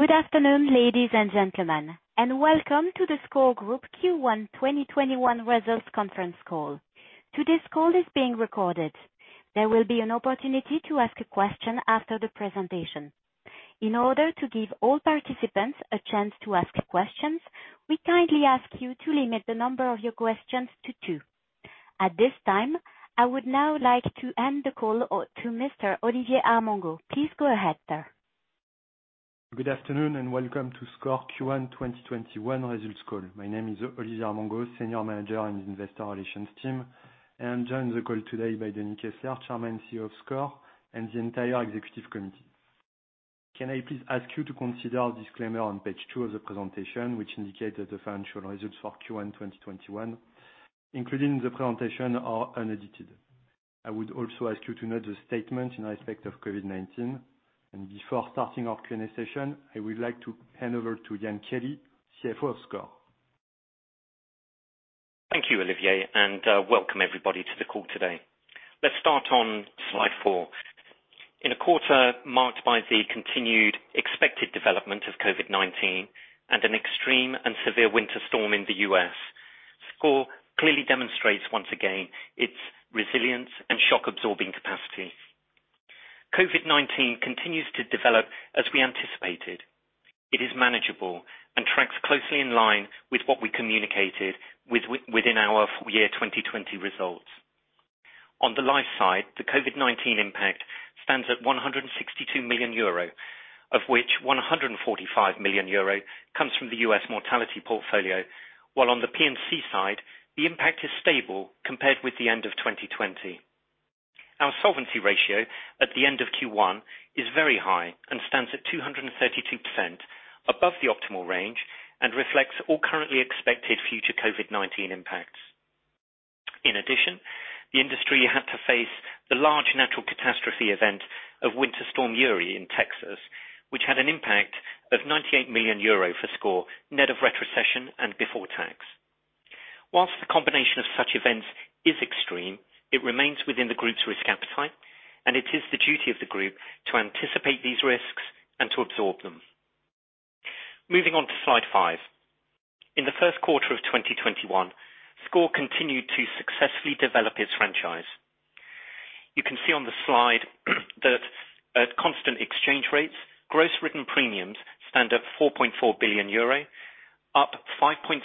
Good afternoon, ladies and gentlemen, and welcome to the SCOR Groupe Q1 2021 Results Conference Call. Today's call is being recorded. There will be an opportunity to ask a question after the presentation. In order to give all participants a chance to ask questions, we kindly ask you to limit the number of your questions to two. At this time, I would now like to hand the call to Mr. Olivier Armangau. Please go ahead, sir. Good afternoon, welcome to SCOR Q1 2021 Results Call. My name is Olivier Armangau, Senior Manager in the Investor Relations team, and I'm joined on the call today by Denis Kessler, Chairman and CEO of SCOR, and the entire Executive Committee. Can I please ask you to consider the disclaimer on page two of the presentation, which indicates the financial results for Q1 2021, including the presentation are unedited. I would also ask you to note the statement in respect of COVID-19. Before starting our Q&A session, I would like to hand over to Ian Kelly, CFO of SCOR. Thank you, Olivier, and welcome everybody to the call today. Let's start on slide four. In a quarter marked by the continued expected development of COVID-19 and an extreme and severe winter storm in the U.S., SCOR clearly demonstrates, once again, its resilience and shock-absorbing capacity. COVID-19 continues to develop as we anticipated. It is manageable and tracks closely in line with what we communicated within our full year 2020 results. On the life side, the COVID-19 impact stands at 162 million euro, of which 145 million euro comes from the U.S. mortality portfolio. While on the P&C side, the impact is stable compared with the end of 2020. Our solvency ratio at the end of Q1 is very high and stands at 232% above the optimal range and reflects all currently expected future COVID-19 impacts. In addition, the industry had to face the large natural catastrophe event of Winter Storm Uri in Texas, which had an impact of 98 million euro for SCOR, net of retrocession and before tax. While the combination of such events is extreme, it remains within the Groupe's risk appetite. It is the duty of the Groupe to anticipate these risks and to absorb them. Moving on to slide five. In the first quarter of 2021, SCOR continued to successfully develop its franchise. You can see on the slide that at constant exchange rates, gross written premiums stand at 4.4 billion euro, up 5.6%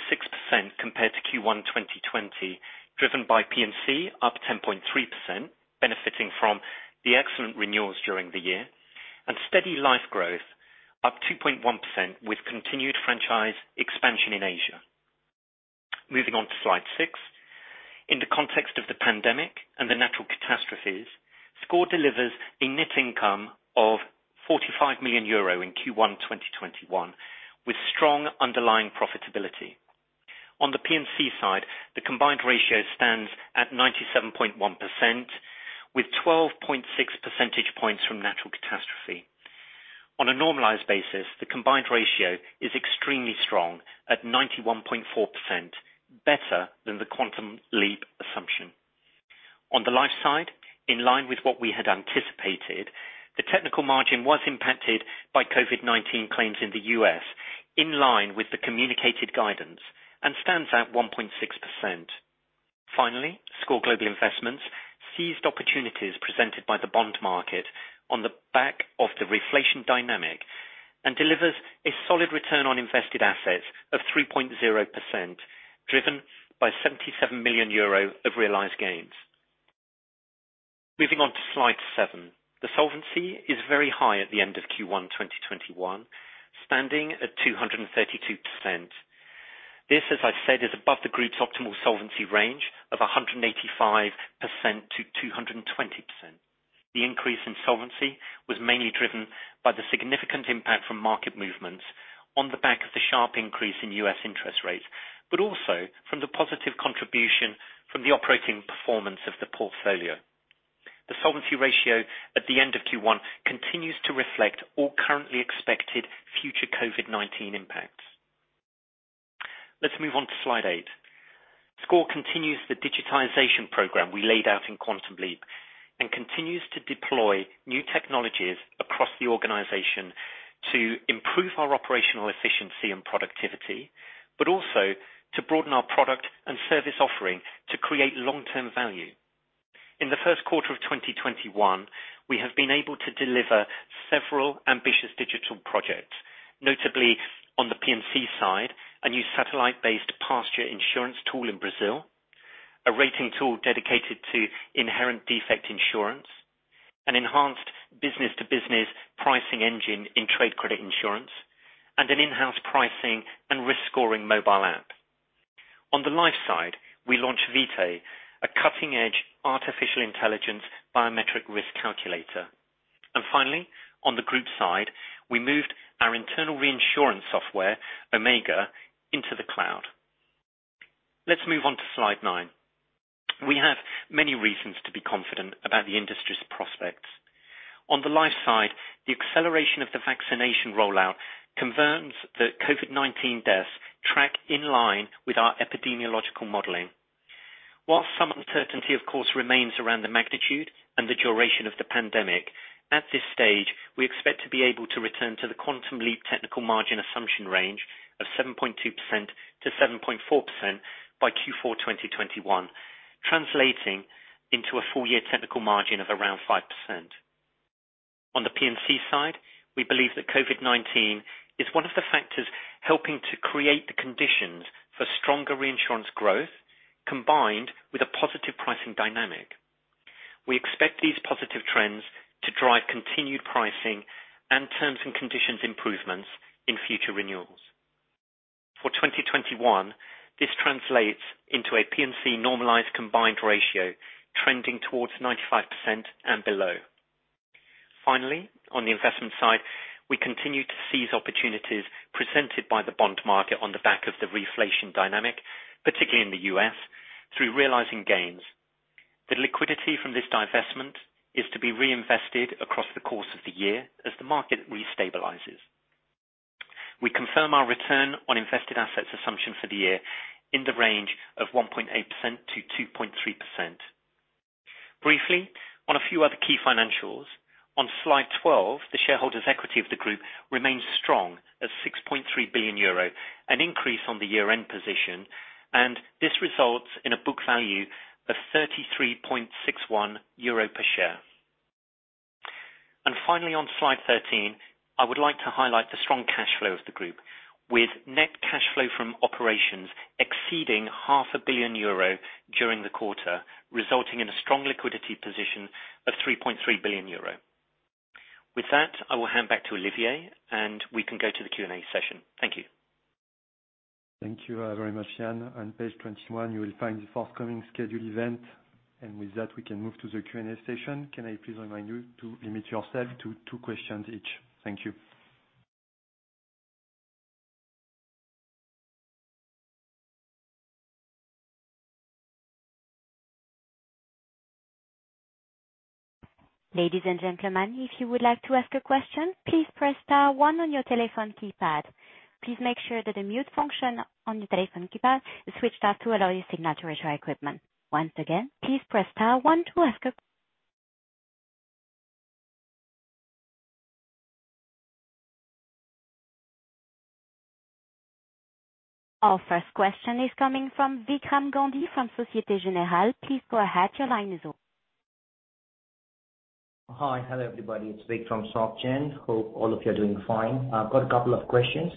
compared to Q1 2020, driven by P&C, up 10.3%, benefiting from the excellent renewals during the year, and steady life growth up 2.1% with continued franchise expansion in Asia. Moving on to slide six. In the context of the pandemic and the natural catastrophes, SCOR delivers a net income of 45 million euro in Q1 2021, with strong underlying profitability. On the P&C side, the combined ratio stands at 97.1%, with 12.6 percentage points from natural catastrophe. On a normalized basis, the combined ratio is extremely strong at 91.4%, better than the Quantum Leap assumption. On the life side, in line with what we had anticipated, the technical margin was impacted by COVID-19 claims in the U.S., in line with the communicated guidance, and stands at 1.6%. Finally, SCOR Global Investments seized opportunities presented by the bond market on the back of the reflation dynamic and delivers a solid return on invested assets of 3.0%, driven by 77 million euro of realized gains. Moving on to slide seven. The solvency is very high at the end of Q1 2021, standing at 232%. This, as I said, is above the Groupe's optimal solvency range of 185%-220%. The increase in solvency was mainly driven by the significant impact from market movements on the back of the sharp increase in U.S. interest rates, but also from the positive contribution from the operating performance of the portfolio. The solvency ratio at the end of Q1 continues to reflect all currently expected future COVID-19 impacts. Let's move on to slide eight. SCOR continues the digitization program we laid out in Quantum Leap and continues to deploy new technologies across the organization to improve our operational efficiency and productivity, but also to broaden our product and service offering to create long-term value. In the first quarter of 2021, we have been able to deliver several ambitious digital projects, notably on the P&C side, a new satellite-based pasture insurance tool in Brazil, a rating tool dedicated to inherent defect insurance, an enhanced business-to-business pricing engine in trade credit insurance, and an in-house pricing and risk scoring mobile app. On the life side, we launched Vitae, a cutting-edge artificial intelligence biometric risk calculator. Finally, on the Groupe side, we moved our internal reinsurance software, Omega, into the cloud. Let's move on to slide nine. We have many reasons to be confident about the industry's prospects. On the life side, the acceleration of the vaccination rollout confirms that COVID-19 deaths track in line with our epidemiological modeling. While some uncertainty of course remains around the magnitude and the duration of the pandemic, at this stage, we expect to be able to return to the Quantum Leap technical margin assumption range of 7.2%-7.4% by Q4 2021, translating into a full year technical margin of around 5%. On the P&C side, we believe that COVID-19 is one of the factors helping to create the conditions for stronger reinsurance growth, combined with a positive pricing dynamic. We expect these positive trends to drive continued pricing and terms and conditions improvements in future renewals. For 2021, this translates into a P&C normalized combined ratio trending towards 95% and below. Finally, on the investment side, we continue to seize opportunities presented by the bond market on the back of the reflation dynamic, particularly in the U.S., through realizing gains. The liquidity from this divestment is to be reinvested across the course of the year as the market restabilizes. We confirm our return on invested assets assumption for the year in the range of 1.8%-2.3%. Briefly, on a few other key financials, on slide 12, the shareholders' equity of the Groupe remains strong at 6.3 billion euro, an increase on the year-end position, and this results in a book value of 33.61 euro per share. Finally, on slide 13, I would like to highlight the strong cash flow of the Groupe, with net cash flow from operations exceeding half a billion EUR during the quarter, resulting in a strong liquidity position of 3.3 billion euro. With that, I will hand back to Olivier, and we can go to the Q&A session. Thank you. Thank you very much, Ian. On page 21, you will find the forthcoming scheduled event. With that, we can move to the Q&A session. Can I please remind you to limit yourself to two questions each? Thank you. Ladies and gentlemen, if you would like to ask a question, please press star one on your telephone keypad. Please make sure that the mute function on the telephone keypad is switched off to allow your signal to reach our equipment. Once again, please press star one to ask. Our first question is coming from Vikram Gandhi from Société Générale. Please go ahead, your line is open. Hi. Hello, everybody. It's Vikram from Société Générale. Hope all of you are doing fine. I've got a couple of questions.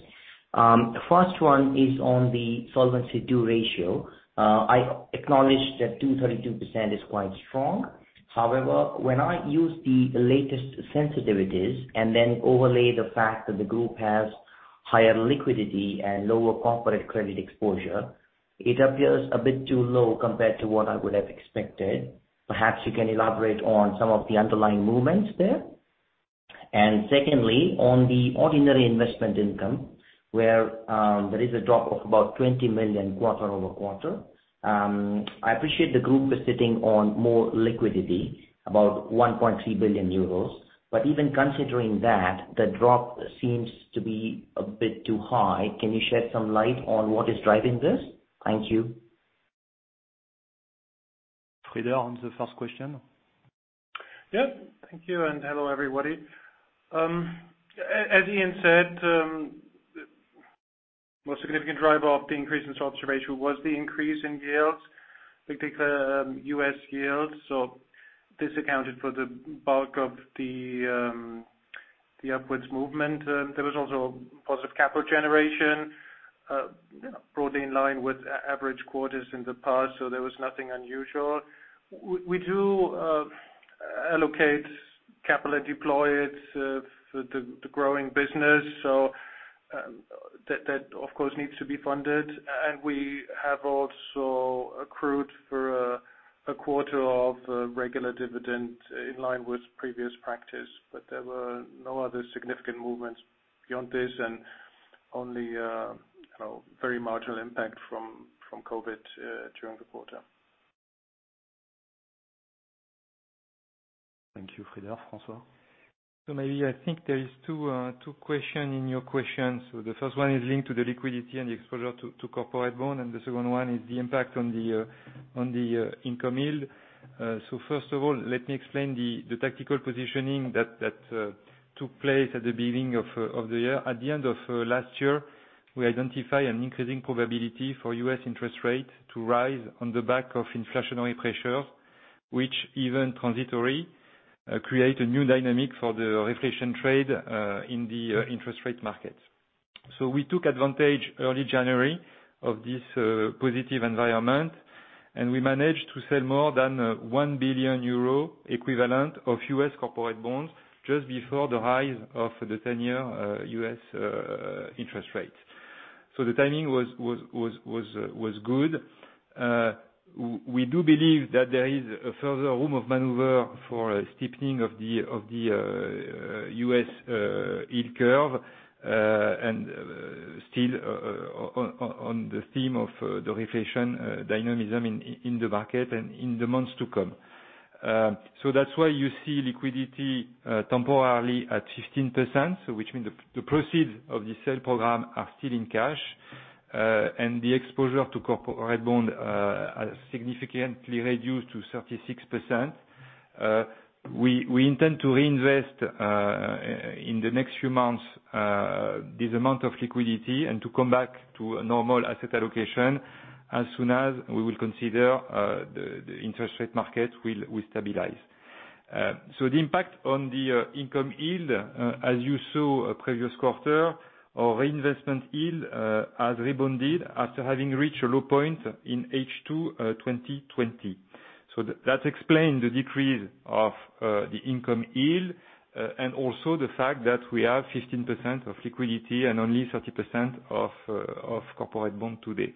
First one is on the Solvency II ratio. I acknowledge that 232% is quite strong. However, when I use the latest sensitivities and then overlay the fact that the Groupe has higher liquidity and lower corporate credit exposure, it appears a bit too low compared to what I would have expected. Perhaps you can elaborate on some of the underlying movements there. Secondly, on the ordinary investment income, where there is a drop of about 20 million quarter-over-quarter. I appreciate the Groupe is sitting on more liquidity, about 1.3 billion euros, but even considering that, the drop seems to be a bit too high. Can you shed some light on what is driving this? Thank you. Frieder on the first question. Yeah, thank you, and hello, everybody. As Ian said, the most significant driver of the increase in solvency was the increase in yields, particular U.S. yields. This accounted for the bulk of the upwards movement. There was also positive capital generation, broadly in line with average quarters in the past, so there was nothing unusual. We do allocate capital and deploy it for the growing business, so that of course needs to be funded. We have also accrued for a quarter of regular dividend in line with previous practice. There were no other significant movements beyond this and only very marginal impact from COVID during the quarter. Thank you, Frieder. François? Maybe I think there is two question in your question. The first one is linked to the liquidity and the exposure to corporate bond, and the second one is the impact on the income yield. First of all, let me explain the tactical positioning that took place at the beginning of the year. At the end of last year, we identify an increasing probability for U.S. interest rate to rise on the back of inflationary pressure, which even transitory, create a new dynamic for the reflation trade, in the interest rate markets. We took advantage early January of this positive environment, and we managed to sell more than 1 billion euro equivalent of U.S. corporate bonds just before the rise of the 10-year U.S. interest rate. The timing was good. We do believe that there is a further room of maneuver for a steepening of the U.S. yield curve, and still on the theme of the reflation dynamism in the market and in the months to come. That's why you see liquidity temporarily at 15%, which means the proceeds of the sale program are still in cash, and the exposure to corporate bond are significantly reduced to 36%. We intend to reinvest, in the next few months, this amount of liquidity and to come back to a normal asset allocation as soon as we will consider the interest rate market will stabilize. The impact on the income yield, as you saw previous quarter, our reinvestment yield has rebounded after having reached a low point in H2 2020. That explains the decrease of the income yield and also the fact that we have 15% of liquidity and only 30% of corporate bond today.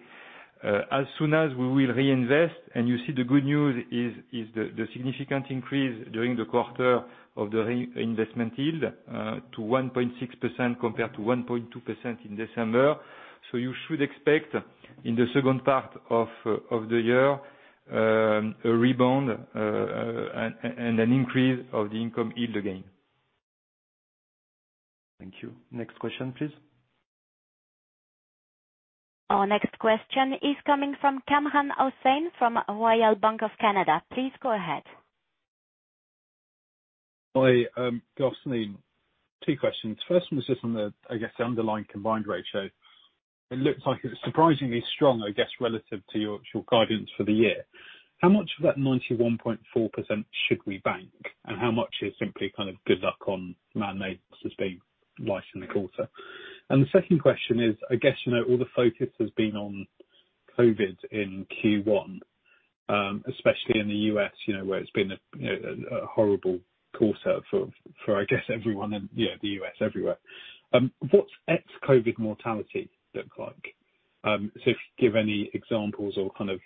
As soon as we will reinvest, you see the good news is the significant increase during the quarter of the reinvestment yield to 1.6% compared to 1.2% in December. You should expect in the second part of the year, a rebound and an increase of the income yield again. Thank you. Next question, please. Our next question is coming from Kamran Hossain from RBC Capital Markets. Please go ahead. Hi, guys. Two questions. The first one is just on the, I guess, underlying combined ratio. It looks like it's surprisingly strong, I guess, relative to your actual guidance for the year. How much of that 91.4% should we bank, and how much is simply kind of good luck on man-made losses being light in the quarter? The second question is, I guess, all the focus has been on COVID in Q1, especially in the U.S., where it's been a horrible quarter for I guess everyone in the U.S., everywhere. What's ex-COVID mortality look like? If you give any examples or kind of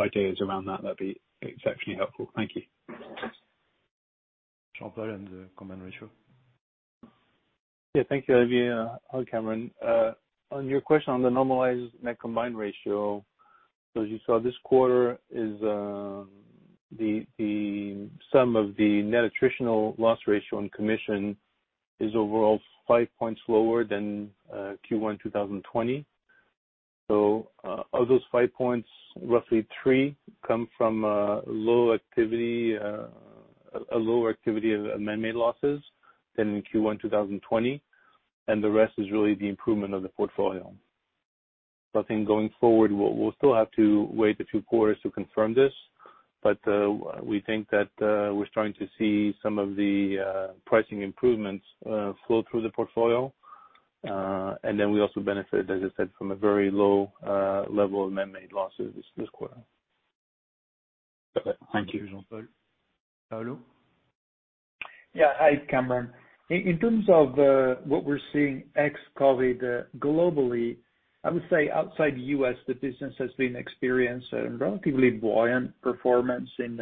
ideas around that'd be exceptionally helpful. Thank you. Jean-Paul and the combined ratio. Thank you. Hi, Kamran. On your question on the normalized net combined ratio, as you saw this quarter is the sum of the net attritional loss ratio and commission is overall five points lower than Q1 2020. Of those five points, roughly three come from a lower activity of man-made losses than in Q1 2020, the rest is really the improvement of the portfolio. I think going forward, we'll still have to wait a few quarters to confirm this, we think that we're starting to see some of the pricing improvements flow through the portfolio. We also benefit, as I said, from a very low level of man-made losses this quarter. Thank you. Thank you, Jean-Paul. Paolo? Hi, Kamran. In terms of what we're seeing ex-COVID globally, I would say outside U.S., the business has been experienced a relatively buoyant performance in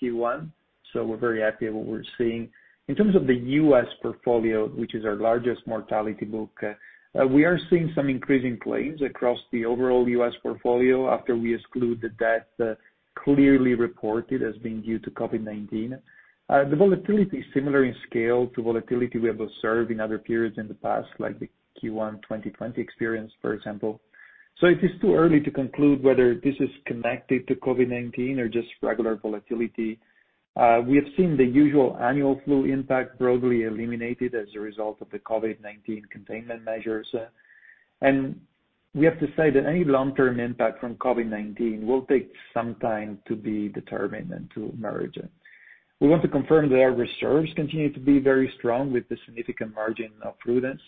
Q1. We're very happy with what we're seeing. In terms of the U.S. portfolio, which is our largest mortality book, we are seeing some increasing claims across the overall U.S. portfolio after we exclude the death clearly reported as being due to COVID-19. The volatility is similar in scale to volatility we have observed in other periods in the past, like the Q1 2020 experience, for example. It is too early to conclude whether this is connected to COVID-19 or just regular volatility. We have seen the usual annual flu impact broadly eliminated as a result of the COVID-19 containment measures. We have to say that any long-term impact from COVID-19 will take some time to be determined and to emerge. We want to confirm that our reserves continue to be very strong with a significant margin of prudence.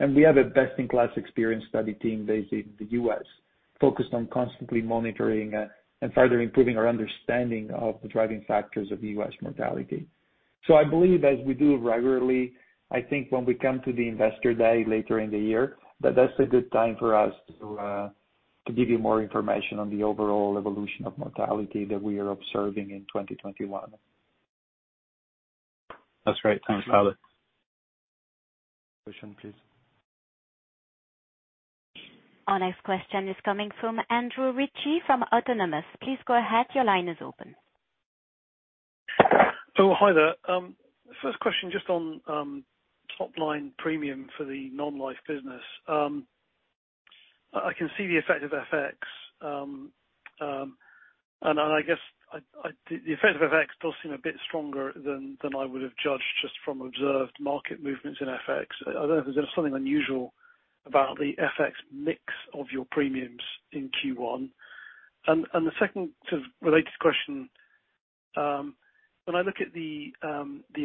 We have a best-in-class experience study team based in the U.S. focused on constantly monitoring and further improving our understanding of the driving factors of U.S. mortality. I believe as we do regularly, I think when we come to the investor day later in the year, that that's a good time for us to give you more information on the overall evolution of mortality that we are observing in 2021. That's great. Thanks, Paolo. Question, please. Our next question is coming from Andrew Ritchie from Autonomous. Please go ahead. Your line is open. Oh, hi there. First question, just on top-line premium for the non-life business. I can see the effect of FX. I guess, the effect of FX does seem a bit stronger than I would have judged just from observed market movements in FX. I don't know if there's something unusual about the FX mix of your premiums in Q1. The second sort of related question, when I look at the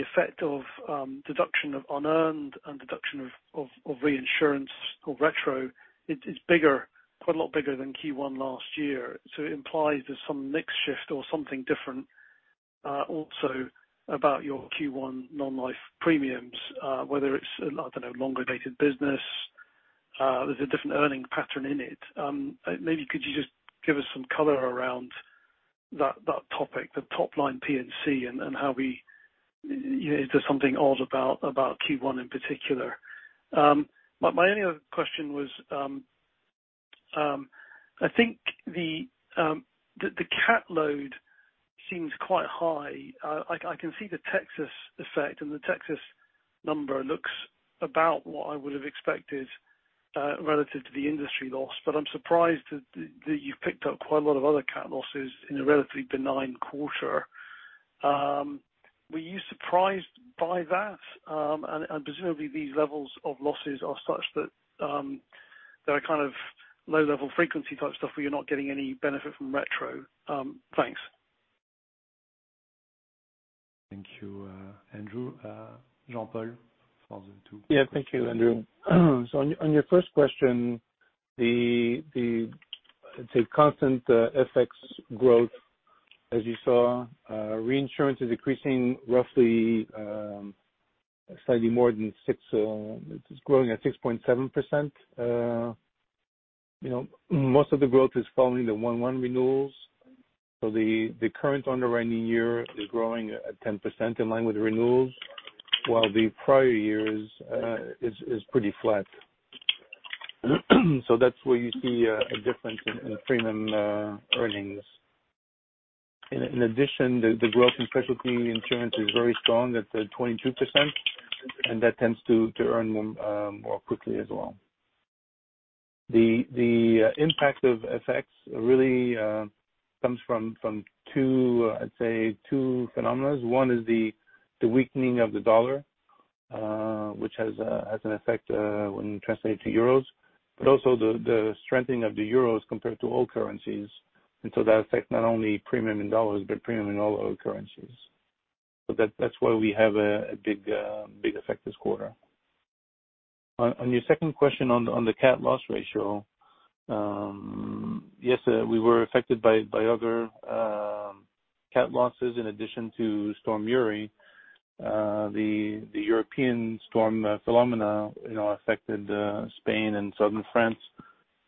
effect of deduction of unearned and deduction of reinsurance or retro, it's quite a lot bigger than Q1 last year. It implies there's some mix shift or something different, also about your Q1 non-life premiums, whether it's, I don't know, longer-dated business, there's a different earning pattern in it. Maybe could you just give us some color around that topic, the top-line P&C. Is there something odd about Q1 in particular? My only other question was, I think the catastrophe load seems quite high. I can see the Texas effect, and the Texas number looks about what I would have expected relative to the industry loss. I'm surprised that you've picked up quite a lot of other catastrophe losses in a relatively benign quarter. Were you surprised by that? Presumably, these levels of losses are such that they're low-level frequency type stuff where you're not getting any benefit from retro. Thanks. Thank you, Andrew. Jean-Paul. Thank you, Andrew. On your first question, the constant FX growth as you saw, reinsurance is increasing roughly slightly more. It is growing at 6.7%. Most of the growth is following the 1/1 renewals. The current underwriting year is growing at 10% in line with the renewals, while the prior year is pretty flat. That's where you see a difference in premium earnings. In addition, the growth in specialty insurance is very strong at the 22%, and that tends to earn more quickly as well. The impact of FX really comes from two phenomena. One is the weakening of the USD, which has an effect when you translate to EUR. Also the strengthening of the EUR compared to all currencies. That affects not only premium in USD, but premium in all other currencies. That's why we have a big effect this quarter. On your second question on the catastrophe loss ratio. We were affected by other catastrophe losses in addition to Storm Uri. The European Storm Filomena affected Spain and southern France,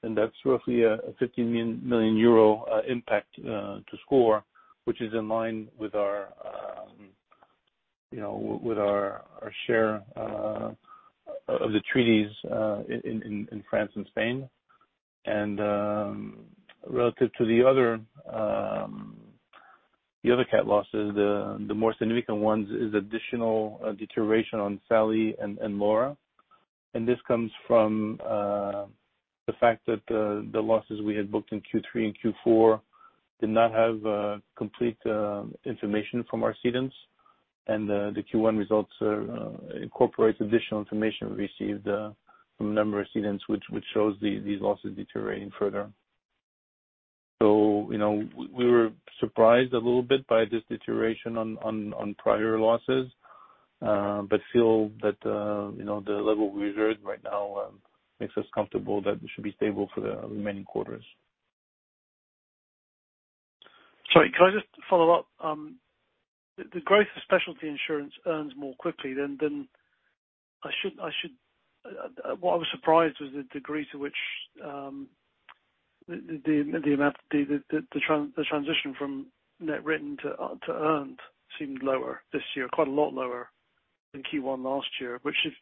and that's roughly a 50 million euro impact to SCOR, which is in line with our share of the treaties in France and Spain. Relative to the other catastrophe losses, the more significant ones is additional deterioration on Sally and Laura. This comes from the fact that the losses we had booked in Q3 and Q4 did not have complete information from our cedants. The Q1 results incorporates additional information we received from a number of cedants which shows these losses deteriorating further. We were surprised a little bit by this deterioration on prior losses. Feel that the level we reserved right now makes us comfortable that we should be stable for the remaining quarters. Sorry, can I just follow up? What I was surprised was the degree to which the transition from net written to earned seemed lower this year, quite a lot lower than Q1 last year, which if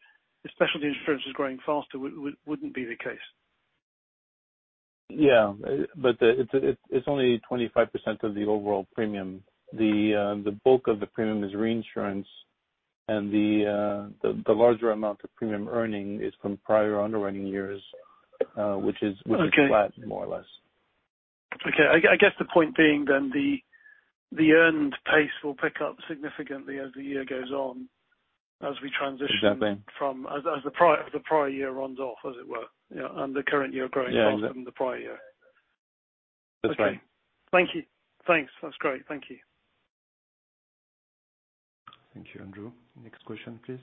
the specialty insurance is growing faster, wouldn't be the case. Yeah. It's only 25% of the overall premium. The bulk of the premium is reinsurance, and the larger amount of premium earning is from prior underwriting years, which is flat more or less. Okay. I guess the point being then, the earned pace will pick up significantly as the year goes on, as we transition. Exactly from as the prior year runs off, as it were. The current year growing faster than the prior year. That's right. Thank you. Thanks. That's great. Thank you. Thank you, Andrew. Next question, please.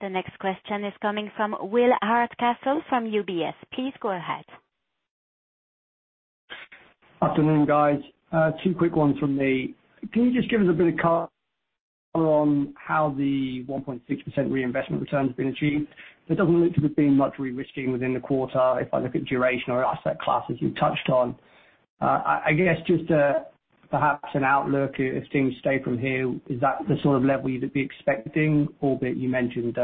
The next question is coming from Will Hardcastle from UBS. Please go ahead. Afternoon, guys. Two quick ones from me. Can you just give us a bit of color on how the 1.6% reinvestment return has been achieved? It doesn't look to have been much de-risking within the quarter, if I look at duration or asset class, as you touched on. I guess just perhaps an outlook, if things stay from here, is that the sort of level you'd be expecting, albeit you mentioned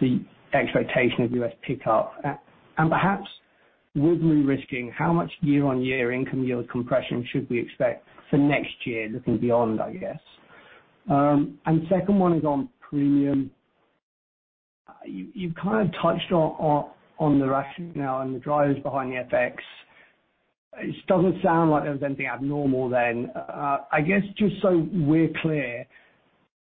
the expectation of U.S. pick up. Perhaps with de-risking, how much year-on-year income yield compression should we expect for next year, looking beyond, I guess. Second one is on premium. You've kind of touched on the rationale now and the drivers behind the FX. It doesn't sound like there was anything abnormal then. I guess, just so we're clear,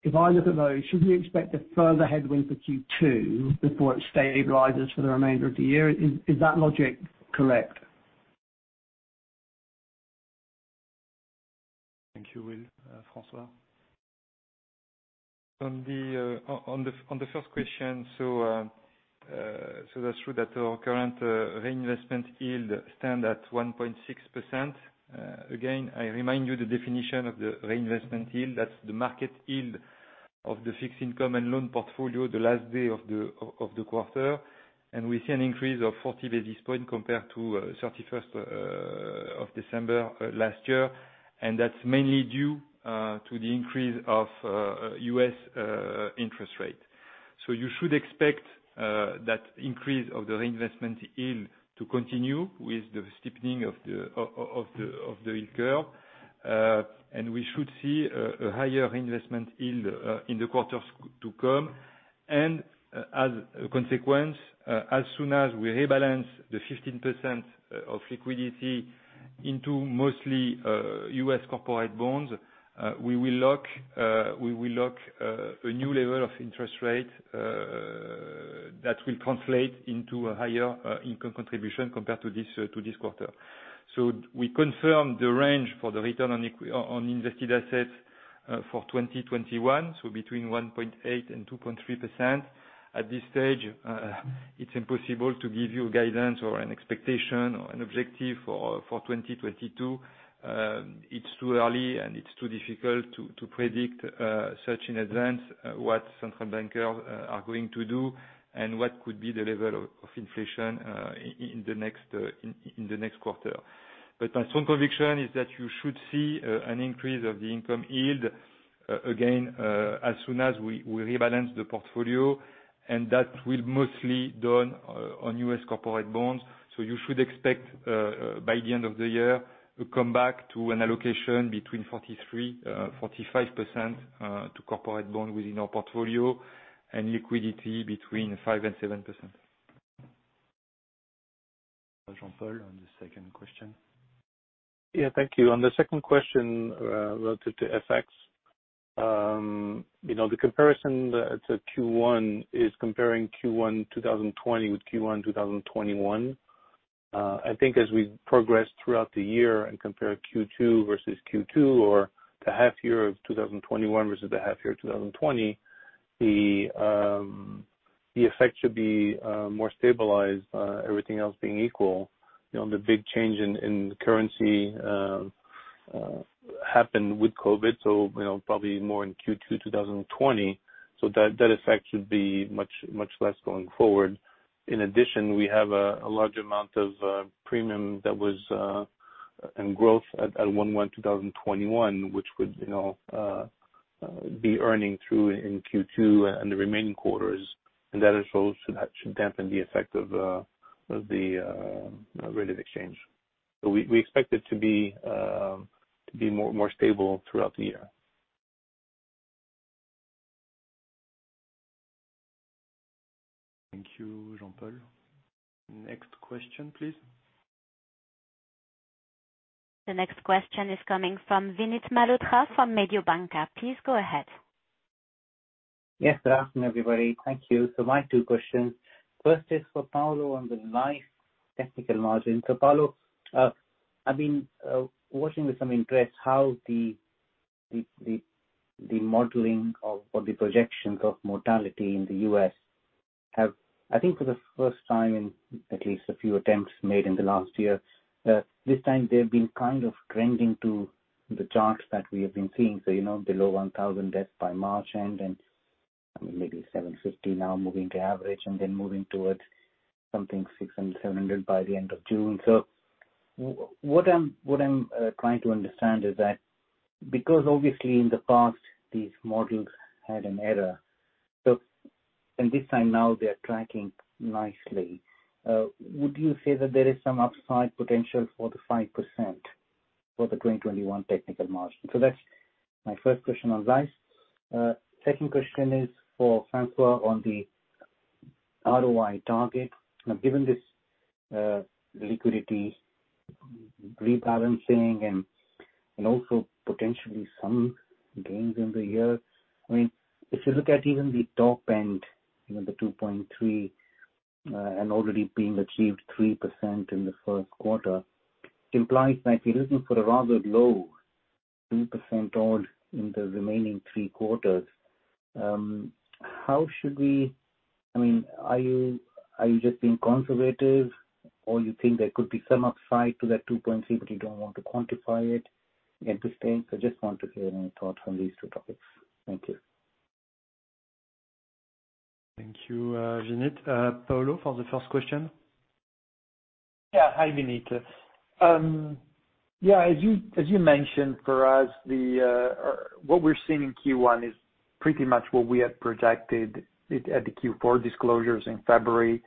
if I look at those, should we expect a further headwind for Q2 before it stabilizes for the remainder of the year? Is that logic correct? Thank you, Will. François. On the first question, that's true that our current reinvestment yield stands at 1.6%. Again, I remind you the definition of the reinvestment yield. That's the market yield of the fixed income and loan portfolio the last day of the quarter. We see an increase of 40 basis points compared to 31st of December last year. That's mainly due to the increase of U.S. interest rate. You should expect that increase of the reinvestment yield to continue with the steepening of the yield curve. We should see a higher reinvestment yield in the quarters to come. As a consequence, as soon as we rebalance the 15% of liquidity into mostly U.S. corporate bonds, we will lock a new level of interest rate that will translate into a higher income contribution compared to this quarter. We confirm the range for the return on invested assets for 2021, between 1.8% and 2.3%. At this stage, it's impossible to give you guidance or an expectation or an objective for 2022. It's too early, and it's too difficult to predict such in advance what central bankers are going to do and what could be the level of inflation in the next quarter. My strong conviction is that you should see an increase of the income yield again, as soon as we rebalance the portfolio, and that will mostly done on U.S. corporate bonds. You should expect, by the end of the year, a comeback to an allocation between 43% and 45% to corporate bond within our portfolio and liquidity between 5% and 7%. Jean-Paul, on the second question. Yeah, thank you. On the second question, related to FX. The comparison to Q1 is comparing Q1 2020 with Q1 2021. I think as we progress throughout the year and compare Q2 versus Q2 or the half year of 2021 versus the half year of 2020, the effect should be more stabilized, everything else being equal. The big change in currency happened with COVID, probably more in Q2 2020. That effect should be much less going forward. In addition, we have a large amount of premium that was in growth at 1/1/2021, which would be earning through in Q2 and the remaining quarters. That as well should dampen the effect of the rate of exchange. We expect it to be more stable throughout the year. Thank you, Jean-Paul. Next question, please. The next question is coming from Vinit Malhotra from Mediobanca. Please go ahead. Yes, good afternoon, everybody. Thank you. My two questions. First is for Paolo on the life technical margin. Paolo, I've been watching with some interest how the modeling of the projections of mortality in the U.S. have, I think for the first time in at least a few attempts made in the last year, this time they've been kind of trending to the charts that we have been seeing. Below 1,000 deaths by March end and maybe 750 now moving to average and then moving towards something 600, 700 by the end of June. What I'm trying to understand is that because obviously in the past these models had an error, and this time now they are tracking nicely. Would you say that there is some upside potential for the 5% for the 2021 technical margin? That's my first question on life. Second question is for François on the ROI target. Now, given this liquidity rebalancing and also potentially some gains in the year, if you look at even the top end, the 2.3%, and already being achieved 3% in the first quarter, implies that you're looking for a rather low 2% odd in the remaining three quarters. Are you just being conservative, or you think there could be some upside to that 2.3%, but you don't want to quantify it at this stage? I just want to hear any thoughts on these two topics. Thank you. Thank you, Vinit. Paolo, for the first question. Hi, Vinit. Yeah, as you mentioned, for us, what we're seeing in Q1 is pretty much what we had projected at the Q4 disclosures in February.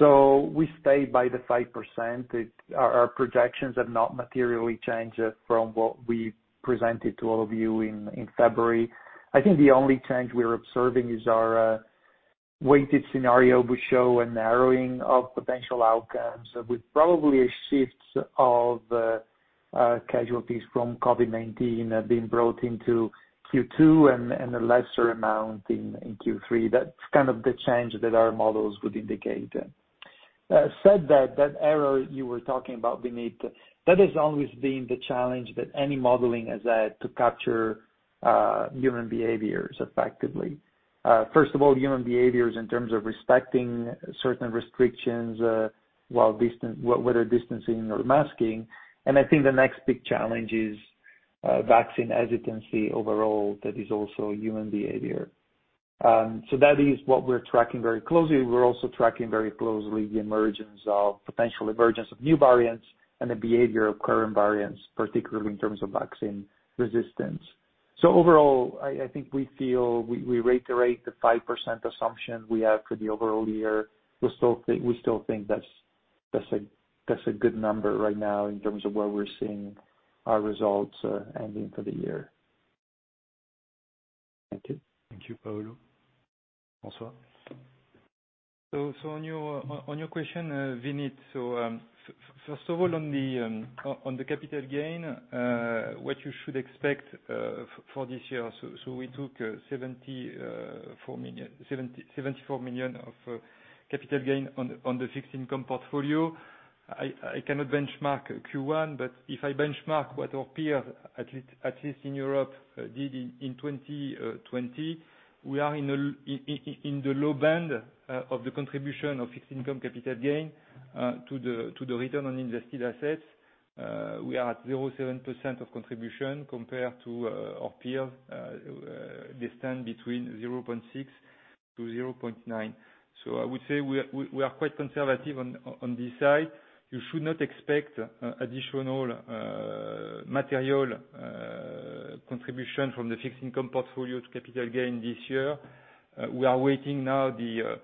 We stayed by the 5%. Our projections have not materially changed from what we presented to all of you in February. I think the only change we're observing is our weighted scenario will show a narrowing of potential outcomes with probably a shift of casualties from COVID-19 being brought into Q2 and a lesser amount in Q3. That's kind of the change that our models would indicate. Said that error you were talking about, Vinit, that has always been the challenge that any modeling has had to capture human behaviors effectively. First of all, human behaviors in terms of respecting certain restrictions, whether distancing or masking. I think the next big challenge is vaccine hesitancy overall, that is also human behavior. That is what we're tracking very closely. We're also tracking very closely the emergence of potential emergence of new variants and the behavior of current variants, particularly in terms of vaccine resistance. Overall, I think we feel we reiterate the 5% assumption we have for the overall year. We still think that's a good number right now in terms of where we're seeing our results ending for the year. Thank you. Thank you, Paolo. François? On your question, Vinit. First of all, on the capital gain, what you should expect for this year, we took 74 million of capital gain on the fixed income portfolio. I cannot benchmark Q1, but if I benchmark what our peers, at least in Europe, did in 2020, we are in the low band of the contribution of fixed income capital gain to the return on invested assets. We are at 0.7% of contribution compared to our peers. They stand between 0.6%-0.9%. I would say we are quite conservative on this side. You should not expect additional material contribution from the fixed income portfolio to capital gain this year. We are waiting now the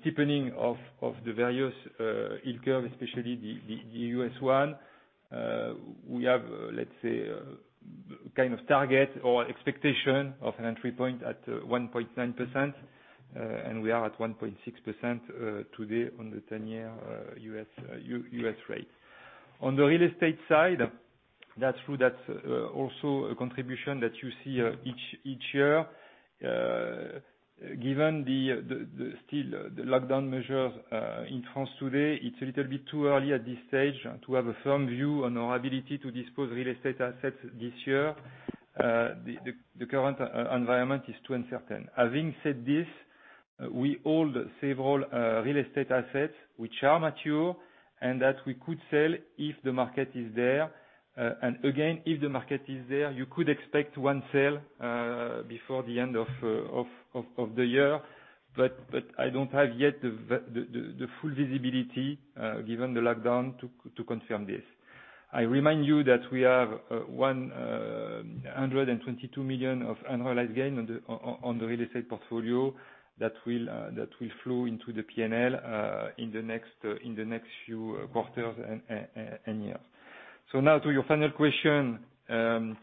steepening of the various yield curve, especially the U.S. one. We have, let's say, kind of target or expectation of an entry point at 1.9%, and we are at 1.6% today on the 10-year U.S. rate. On the real estate side, that's true that's also a contribution that you see each year. Given still the lockdown measures in France today, it's a little bit too early at this stage to have a firm view on our ability to dispose real estate assets this year. The current environment is too uncertain. Having said this, we hold several real estate assets which are mature and that we could sell if the market is there. Again, if the market is there, you could expect one sale before the end of the year. I don't have yet the full visibility given the lockdown to confirm this. I remind you that we have 122 million of annualized gain on the real estate portfolio that will flow into the P&L in the next few quarters and year. Now to your final question, am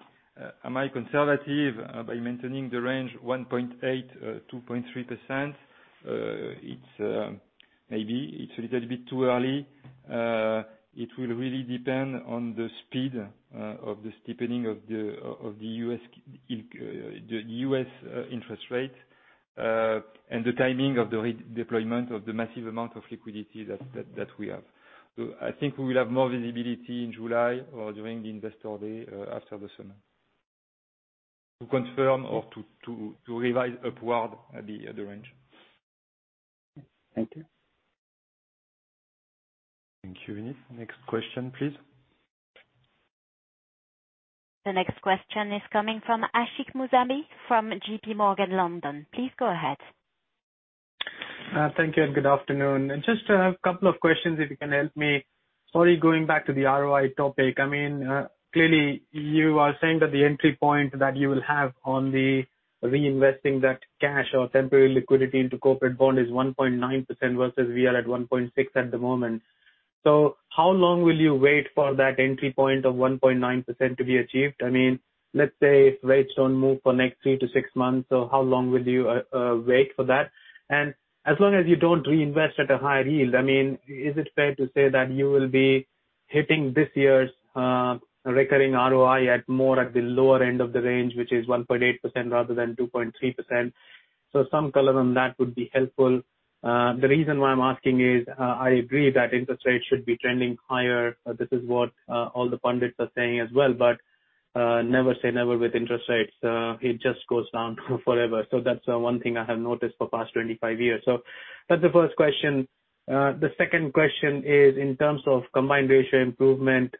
I conservative by maintaining the range of 1.8%-2.3%? Maybe. It's a little bit too early. It will really depend on the speed of the steepening of the U.S. interest rate, and the timing of the deployment of the massive amount of liquidity that we have. I think we will have more visibility in July or during the investor day after the summer to confirm or to revise upward the range. Thank you. Thank you, Vinit. Next question, please. The next question is coming from Ashik Musaddi from JPMorgan, London. Please go ahead. Thank you and good afternoon. Just a couple of questions, if you can help me. Sorry, going back to the ROI topic. Clearly, you are saying that the entry point that you will have on the reinvesting that cash or temporary liquidity into corporate bond is 1.9% versus we are at 1.6% at the moment. How long will you wait for that entry point of 1.9% to be achieved? Let's say if rates don't move for next three to six months, how long will you wait for that? As long as you don't reinvest at a higher yield, is it fair to say that you will be hitting this year's recurring ROI at more at the lower end of the range, which is 1.8% rather than 2.3%? Some color on that would be helpful. The reason why I'm asking is, I agree that interest rates should be trending higher. This is what all the pundits are saying as well, but never say never with interest rates. It just goes down forever. That's one thing I have noticed for the past 25 years. That's the first question. The second question is in terms of combined ratio improvement.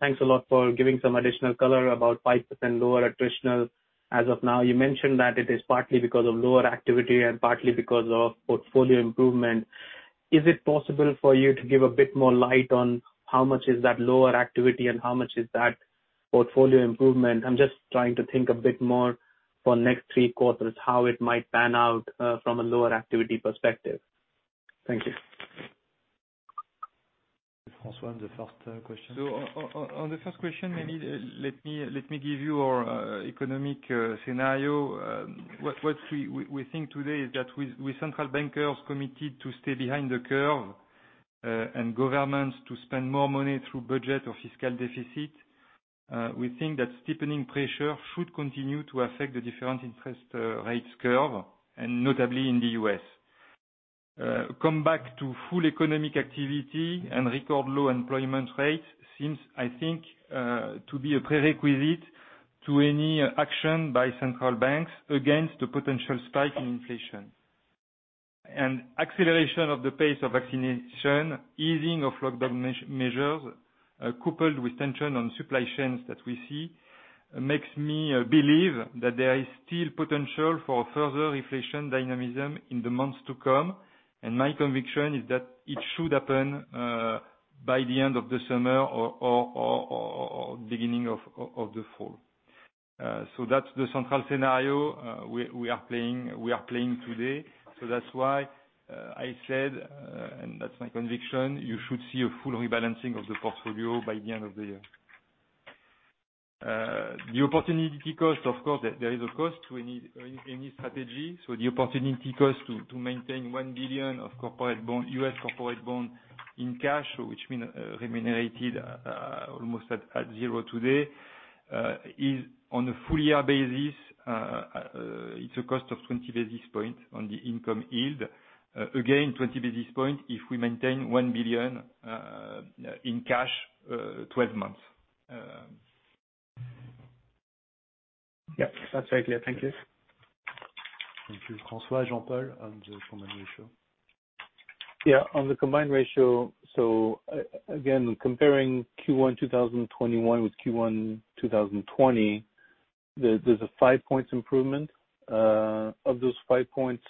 Thanks a lot for giving some additional color about 5% lower attritional. As of now, you mentioned that it is partly because of lower activity and partly because of portfolio improvement. Is it possible for you to give a bit more light on how much is that lower activity and how much is that portfolio improvement? I'm just trying to think a bit more for next three quarters, how it might pan out from a lower activity perspective. Thank you. François, the first question. On the first question, maybe let me give you our economic scenario. What we think today is that with central bankers committed to stay behind the curve, and governments to spend more money through budget or fiscal deficit, we think that steepening pressure should continue to affect the different interest rates curve, and notably in the U.S. Coming back to full economic activity and record low employment rate seems, I think, to be a prerequisite to any action by central banks against a potential spike in inflation. Acceleration of the pace of vaccination, easing of lockdown measures, coupled with tension on supply chains that we see, makes me believe that there is still potential for further inflation dynamism in the months to come. My conviction is that it should happen by the end of the summer or beginning of the fall. That's the central scenario we are playing today. That's why I said, and that's my conviction, you should see a full rebalancing of the portfolio by the end of the year. The opportunity cost, of course, there is a cost to any strategy. The opportunity cost to maintain 1 billion of U.S. corporate bond in cash, which means remunerated almost at zero today, is on a full year basis, it's a cost of 20 basis points on the income yield. Again, 20 basis points, if we maintain 1 billion in cash, 12 months. Yeah. That's very clear. Thank you. Thank you, François. Jean-Paul, on the combined ratio. On the combined ratio. Again, comparing Q1 2021 with Q1 2020, there is a five-point improvement. Of those five points,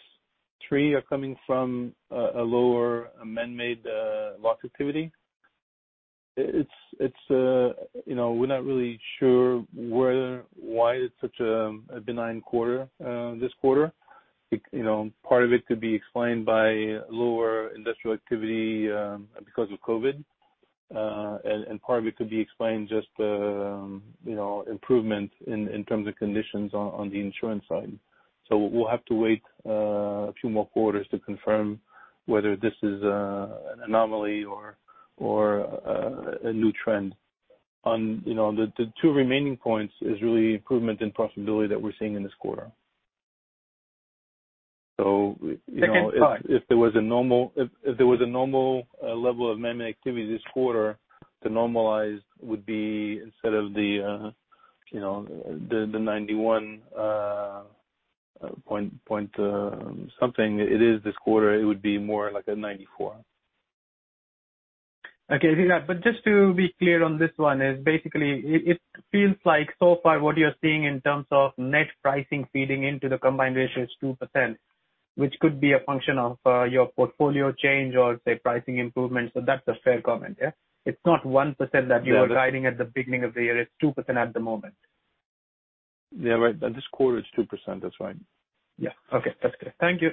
three are coming from a lower man-made loss activity. We are not really sure why it is such a benign quarter this quarter. Part of it could be explained by lower industrial activity because of COVID. Part of it could be explained just improvement in terms of conditions on the insurance side. We will have to wait a few more quarters to confirm whether this is an anomaly or a new trend. On the two remaining points is really improvement in profitability that we are seeing in this quarter. Okay. Sorry. If there was a normal level of man-made activity this quarter, the normalized would be instead of the 91 point something it is this quarter, it would be more like a 94. Okay. Just to be clear on this one is basically it feels like so far what you're seeing in terms of net pricing feeding into the combined ratio is 2%, which could be a function of your portfolio change or, say, pricing improvements. That's a fair comment, yeah? It's not 1% that you were guiding at the beginning of the year, it's 2% at the moment. Yeah. Right. At this quarter, it's 2%. That's right. Yeah. Okay. That's clear. Thank you.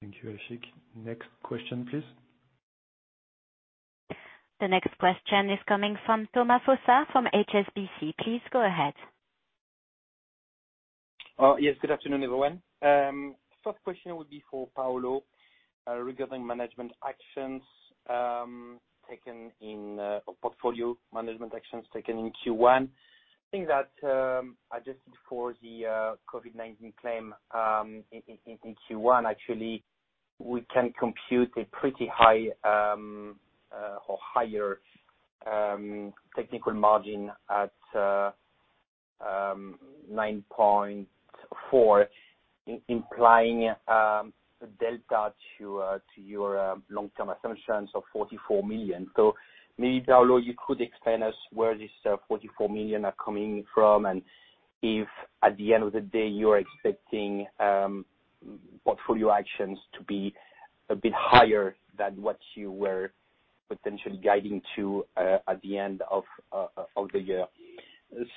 Thank you, Ashik. Next question, please. The next question is coming from Thomas Fossard from HSBC. Please go ahead. Yes. Good afternoon, everyone. First question would be for Paolo regarding management actions taken in portfolio management actions taken in Q1. I think that adjusted for the COVID-19 claim in Q1, actually, we can compute a pretty high or higher technical margin at 9.4%, implying a delta to your long-term assumptions of 44 million. Maybe, Paolo, you could explain us where this 44 million are coming from, and if at the end of the day, you're expecting portfolio actions to be a bit higher than what you were potentially guiding to at the end of the year.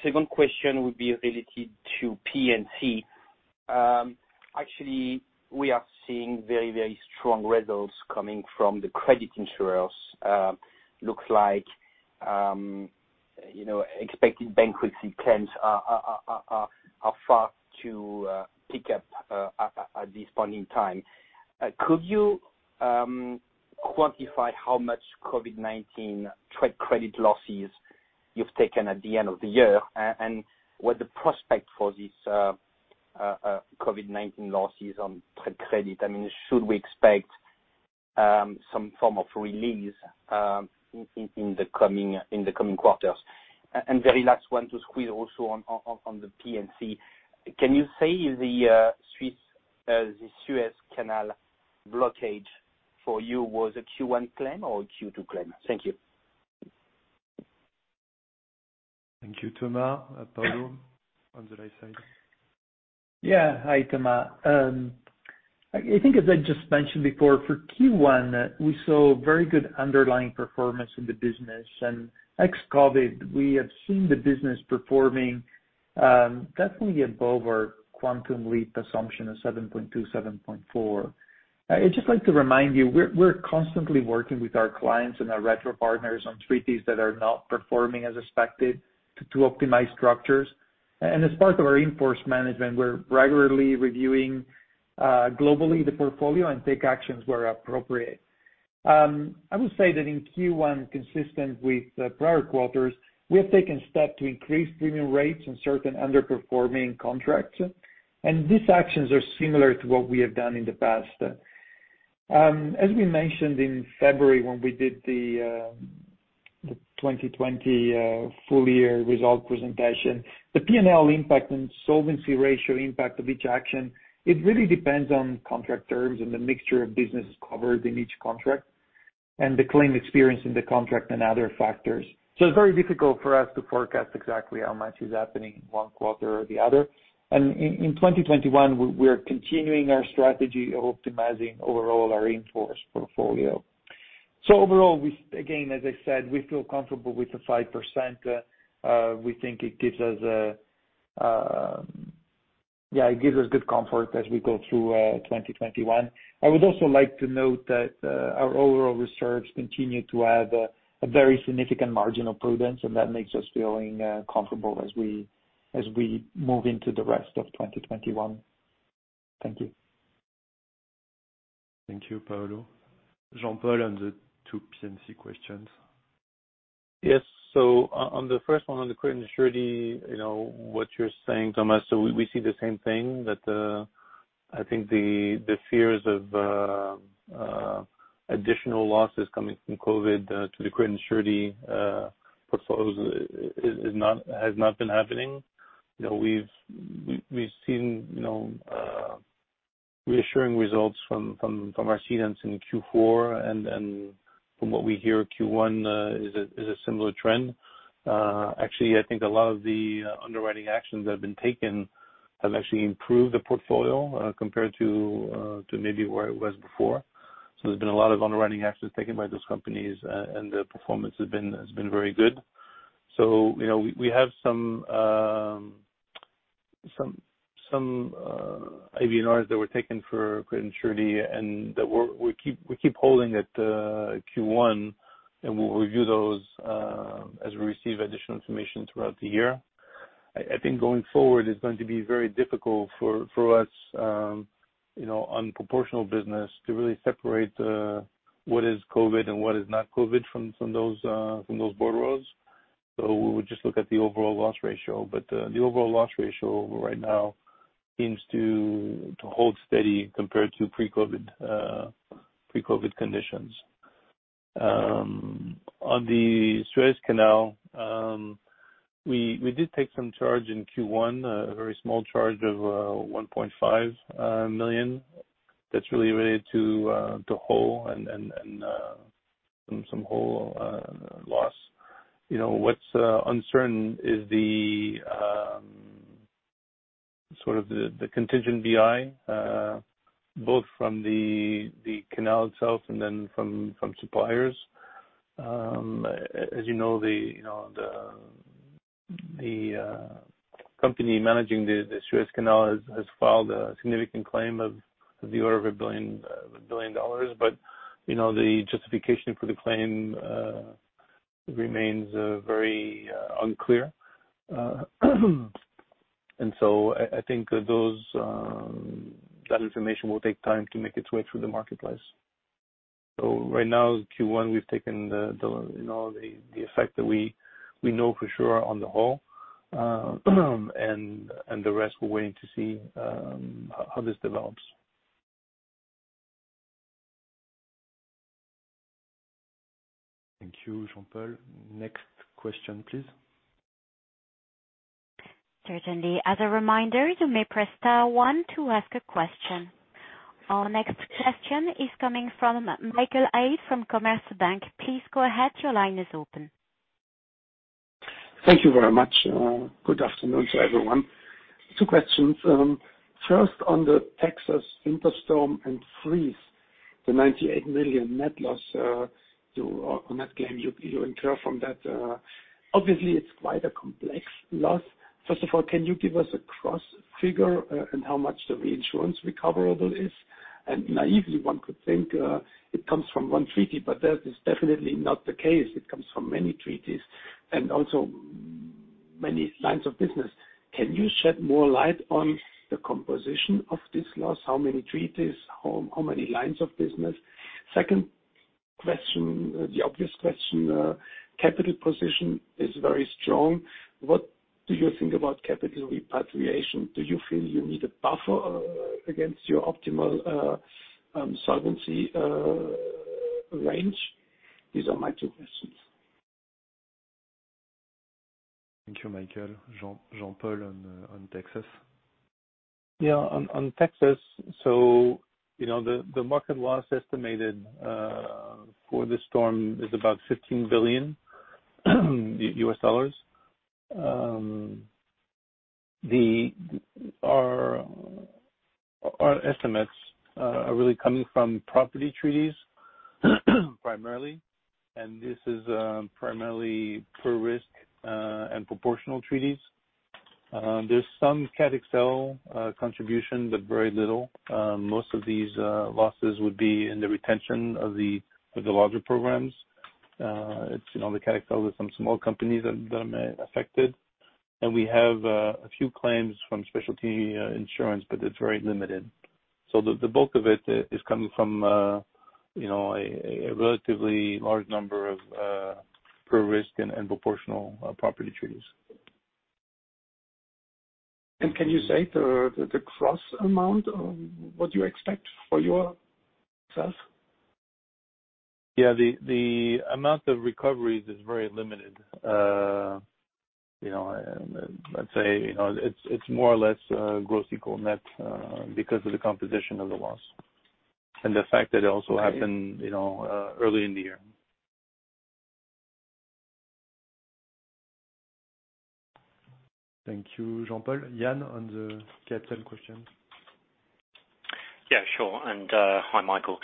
Second question would be related to P&C. Actually, we are seeing very strong results coming from the credit insurers. Looks like expected bankruptcy claims are far to pick up at this point in time. Could you quantify how much COVID-19 trade credit losses you've taken at the end of the year, and what the prospect for these COVID-19 losses on trade credit? I mean, should we expect some form of release in the coming quarters? Very last one to squeeze also on the P&C. Can you say the Suez Canal blockage for you was a Q1 claim or a Q2 claim? Thank you. Thank you, Thomas. Paolo, on the right side. Hi, Thomas. I think as I just mentioned before, for Q1, we saw very good underlying performance in the business. Ex-COVID, we have seen the business performing definitely above our Quantum Leap assumption of 7.2%, 7.4%. I'd just like to remind you, we're constantly working with our clients and our retro partners on treaties that are not performing as expected to optimize structures. As part of our in-force management, we're regularly reviewing globally the portfolio and take actions where appropriate. I would say that in Q1, consistent with prior quarters, we have taken steps to increase premium rates on certain underperforming contracts, and these actions are similar to what we have done in the past. As we mentioned in February when we did the 2020 full year result presentation, the P&L impact and solvency ratio impact of each action, it really depends on contract terms and the mixture of businesses covered in each contract. The claim experience in the contract and other factors. It's very difficult for us to forecast exactly how much is happening in one quarter or the other. In 2021, we're continuing our strategy of optimizing overall our in-force portfolio. Overall, again, as I said, we feel comfortable with the 5%. We think it gives us good comfort as we go through 2021. I would also like to note that our overall reserves continue to have a very significant margin of prudence, and that makes us feeling comfortable as we move into the rest of 2021. Thank you. Thank you, Paolo. Jean-Paul, on the two P&C questions. Yes. On the first one, on the credit and surety, what you're saying, Thomas, we see the same thing. I think the fears of additional losses coming from COVID to the credit and surety portfolios has not been happening. We've seen reassuring results from our cedants in Q4, and from what we hear, Q1 is a similar trend. Actually, I think a lot of the underwriting actions that have been taken have actually improved the portfolio compared to maybe where it was before. There's been a lot of underwriting actions taken by those companies, and the performance has been very good. We have some IBNRs that were taken for credit and surety, and that we keep holding at Q1, and we'll review those as we receive additional information throughout the year. I think going forward, it's going to be very difficult for us on proportional business to really separate what is COVID and what is not COVID from those bordereaux. We would just look at the overall loss ratio. The overall loss ratio right now seems to hold steady compared to pre-COVID conditions. On the Suez Canal, we did take some charge in Q1, a very small charge of 1.5 million. That's really related to hull and some hull loss. What's uncertain is the contingent BI, both from the canal itself and then from suppliers. As you know, the company managing the Suez Canal has filed a significant claim of the order of $1 billion. The justification for the claim remains very unclear. I think that information will take time to make its way through the marketplace. Right now, Q1, we've taken the effect that we know for sure on the whole, and the rest, we're waiting to see how this develops. Thank you, Jean-Paul. Next question, please. Certainly. As a reminder, you may press star one to ask a question. Our next question is coming from Michael Haid from Commerzbank. Please go ahead, your line is open. Thank you very much. Good afternoon to everyone. Two questions. First, on the Winter Storm Uri, the 98 million net loss on that claim you incur from that. Obviously, it is quite a complex loss. First of all, can you give us a gross figure and how much the reinsurance recoverable is? Naively, one could think it comes from one treaty, but that is definitely not the case. It comes from many treaties and also many lines of business. Can you shed more light on the composition of this loss? How many treaties, how many lines of business? Second question, the obvious question, capital position is very strong. What do you think about capital repatriation? Do you feel you need a buffer against your optimal solvency range? These are my two questions. Thank you, Michael. Jean-Paul on Texas. On Texas, the market loss estimated for this storm is about $15 billion. Our estimates are really coming from property treaties primarily, this is primarily per risk and proportional treaties. There's some catastrophe excess of loss contribution, very little. Most of these losses would be in the retention of the larger programs. The catastrophe excess of loss are some small companies that are affected. We have a few claims from specialty insurance, it's very limited. The bulk of it is coming from a relatively large number of per risk and proportional property treaties. Can you say the gross amount of what you expect for yourself? Yeah, the amount of recoveries is very limited. Let's say, it's more or less gross equal net because of the composition of the loss, and the fact that it also happened early in the year. Thank you, Jean-Paul. Ian, on the capital question. Yeah, sure. Hi, Michael.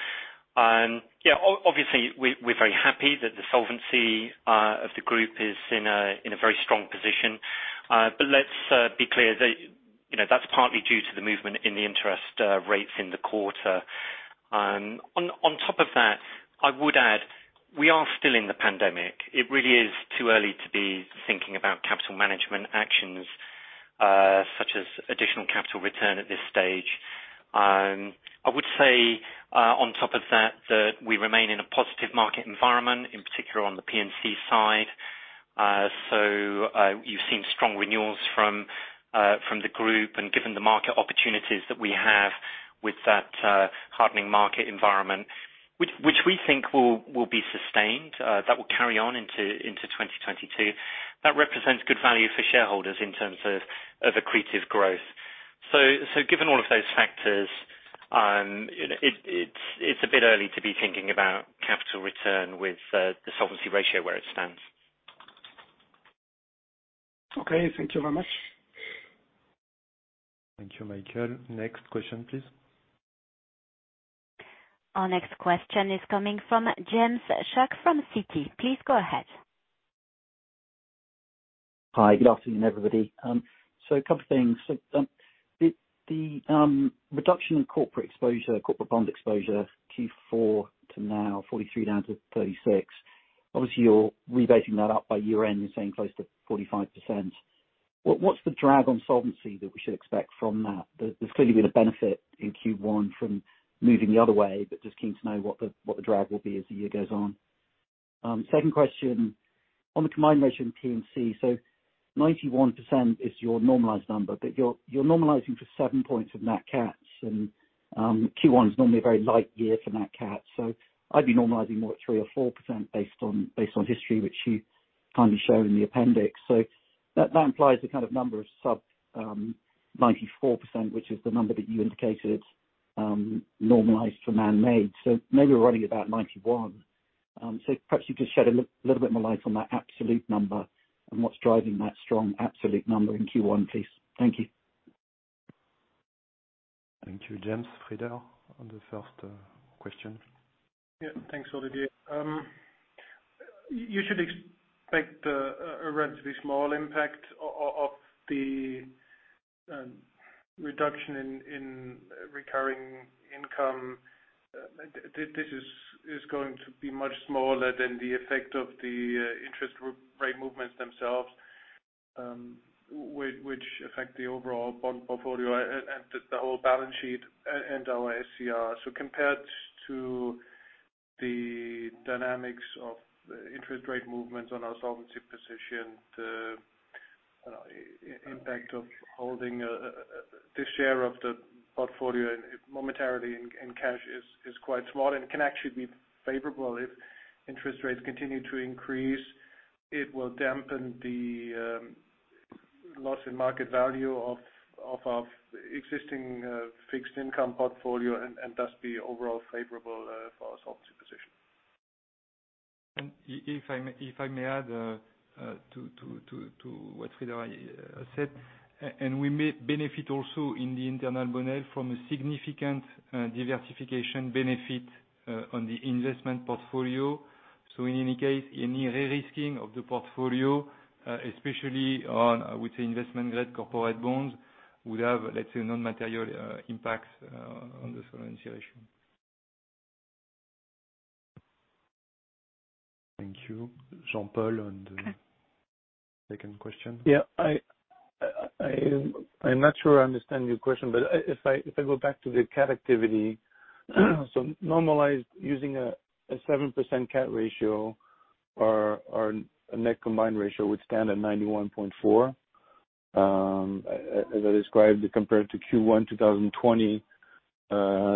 Obviously, we're very happy that the solvency of the Groupe is in a very strong position. Let's be clear, that's partly due to the movement in the interest rates in the quarter. On top of that, I would add, we are still in the pandemic. It really is too early to be thinking about capital management actions such as additional capital return at this stage. I would say, on top of that we remain in a positive market environment, in particular on the P&C side. You've seen strong renewals from the Groupe, and given the market opportunities that we have with that hardening market environment, which we think will be sustained, that will carry on into 2022. That represents good value for shareholders in terms of accretive growth. Given all of those factors, it's a bit early to be thinking about capital return with the solvency ratio where it stands. Okay, thank you very much. Thank you, Michael. Next question, please. Our next question is coming from James Shuck from Citi. Please go ahead. Hi, good afternoon, everybody. A couple of things. The reduction in corporate exposure, corporate bond exposure, Q4 to now, 43% down to 36%. Obviously, you are rebasing that up by year-end, you are saying close to 45%. What is the drag on solvency that we should expect from that? There has clearly been a benefit in Q1 from moving the other way, but just keen to know what the drag will be as the year goes on. Second question, on the combined ratio of P&C, 91% is your normalized number, but you are normalizing for seven points of natural catastrophes, and Q1 is normally a very light year for natural catastrophes. I would be normalizing more at 3% or 4% based on history, which you have shown in the appendix. That implies a kind of number of sub 94%, which is the number that you indicated normalized for man-made. Maybe we're running about 91%. Perhaps you could shed a little bit more light on that absolute number and what's driving that strong absolute number in Q1, please. Thank you. Thank you, James. Frieder, on the first question. Yeah, thanks, Olivier. You should expect a relatively small impact of the reduction in recurring income. This is going to be much smaller than the effect of the interest rate movements themselves, which affect the overall bond portfolio and the whole balance sheet and our SCR. Compared to the dynamics of the interest rate movements on our solvency position, the impact of holding this share of the portfolio momentarily in cash is quite small and can actually be favorable if interest rates continue to increase. It will dampen the loss in market value of our existing fixed income portfolio and thus be overall favorable for our solvency position. If I may add to what Frieder said, and we may benefit also in the internal model from a significant diversification benefit on the investment portfolio. In any case, derisking of the portfolio, especially on, I would say, investment-grade corporate bonds would have, let's say, non-material impacts on the solvency ratio. Thank you. Jean-Paul, on the second question. Yeah. I'm not sure I understand your question, but if I go back to the catastrophe activity. Normalized using a 7% catastrophe ratio our net combined ratio would stand at 91.4%. As I described, compared to Q1 2020,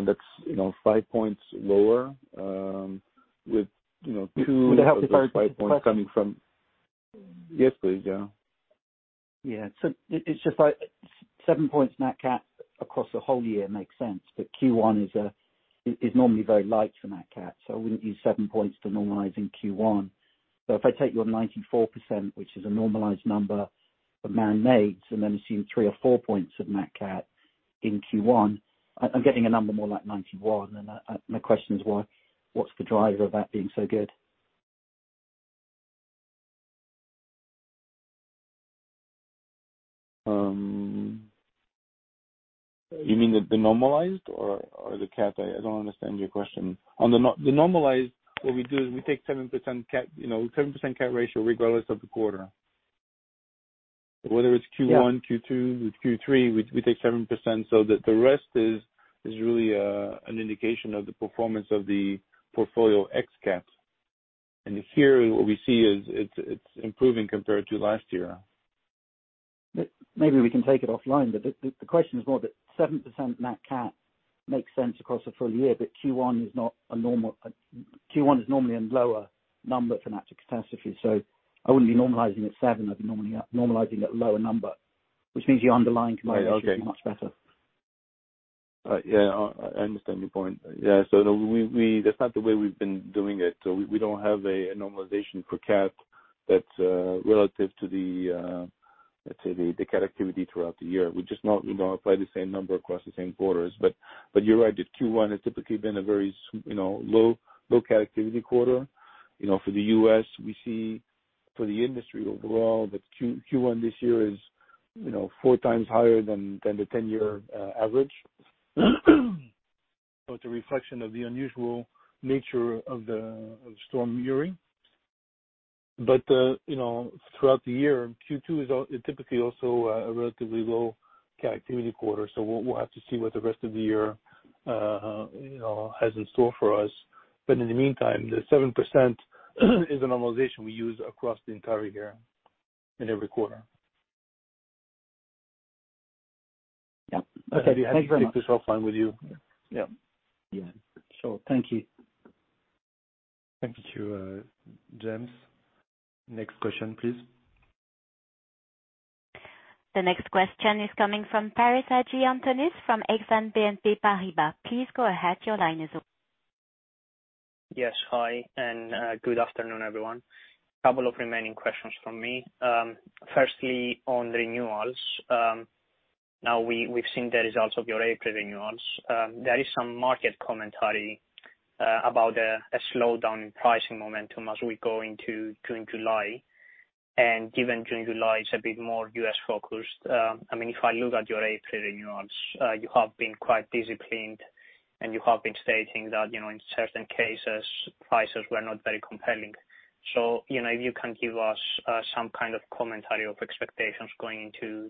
that's five points lower. Would it help if? of those five points coming from Yes, please, go. Yeah. It's just like seven points natural catastrophe across the whole year makes sense, Q1 is normally very light for natural catastrophes, so I wouldn't use seven points to normalize in Q1. If I take your 94%, which is a normalized number of man-made, and then assume three or four points of natural catastrophe in Q1, I'm getting a number more like 91%, and my question is what's the driver of that being so good? You mean the normalized or the cat? I don't understand your question. On the normalized, what we do is we take 7% catastrophe ratio regardless of the quarter. Whether it's Q1, Q2, Q3, we take 7%. The rest is really an indication of the performance of the portfolio ex-catastrophe. Here, what we see is it's improving compared to last year. Maybe we can take it offline, but the question is more that 7% in natural catastrophe makes sense across a full year, but Q1 is normally a lower number for natural catastrophe. I wouldn't be normalizing at seven, I'd be normalizing at a lower number, which means your underlying combined ratio- Yeah, okay. Is much better. Yeah, I understand your point. Yeah. That's not the way we've been doing it. We don't have a normalization for catastrophe that's relative to, let's say, the catastrophe activity throughout the year. We just multiply the same number across the same quarters. You're right, the Q1 has typically been a very low catastrophe activity quarter. For the U.S., we see for the industry overall, that Q1 this year is four times higher than the 10-year average. It's a reflection of the unusual nature of Winter Storm Uri. Throughout the year, Q2 is typically also a relatively low catastrophe activity quarter, so we'll have to see what the rest of the year has in store for us. In the meantime, the 7% is the normalization we use across the entire year in every quarter. Yeah. Okay. Thank you very much. Happy to take this offline with you. Yeah. Yeah. Sure. Thank you. Thank you, James. Next question, please. The next question is coming from Paris Hadjiantonis from Exane BNP Paribas. Please go ahead. Your line is open. Yes. Hi, good afternoon, everyone. A couple of remaining questions from me. Firstly, on renewals. We've seen the results of your April renewals. There is some market commentary about a slowdown in pricing momentum as we go into June, July. Given June, July is a bit more U.S.-focused. If I look at your April renewals, you have been quite disciplined, and you have been stating that in certain cases, prices were not very compelling. If you can give us some kind of commentary of expectations going into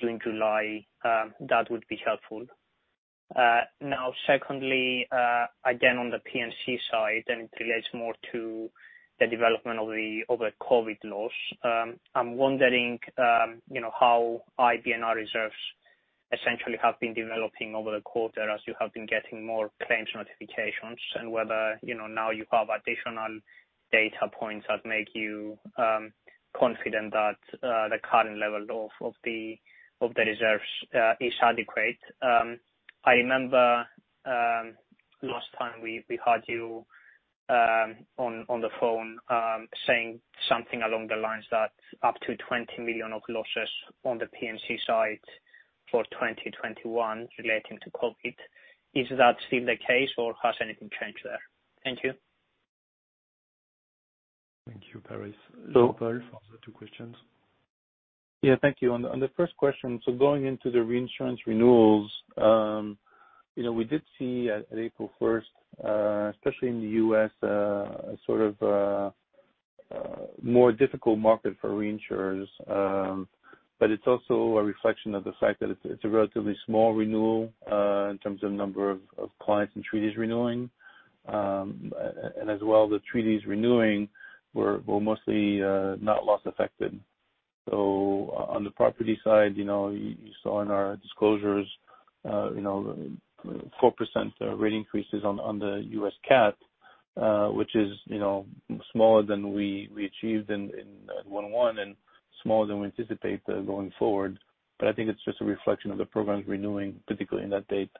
June, July, that would be helpful. Secondly, again, on the P&C side, and it relates more to the development of the COVID loss. I'm wondering how IBNR reserves essentially have been developing over the quarter as you have been getting more claims notifications and whether now you have additional data points that make you confident that the current level of the reserves is adequate. I remember last time we had you on the phone saying something along the lines that up to 20 million of losses on the P&C side for 2021 relating to COVID. Is that still the case or has anything changed there? Thank you. Thank you, Paris. Jean-Paul, for the two questions. Yeah. Thank you. On the first question, going into the reinsurance renewals, we did see at April 1st, especially in the U.S., a sort of more difficult market for reinsurers. It's also a reflection of the fact that it's a relatively small renewal, in terms of number of clients and treaties renewing. As well, the treaties renewing were mostly not loss affected. On the property side, you saw in our disclosures, 4% rate increases on the U.S. catastrophe, which is smaller than we achieved in 1/1 and smaller than we anticipate going forward. I think it's just a reflection of the programs renewing, particularly in that date.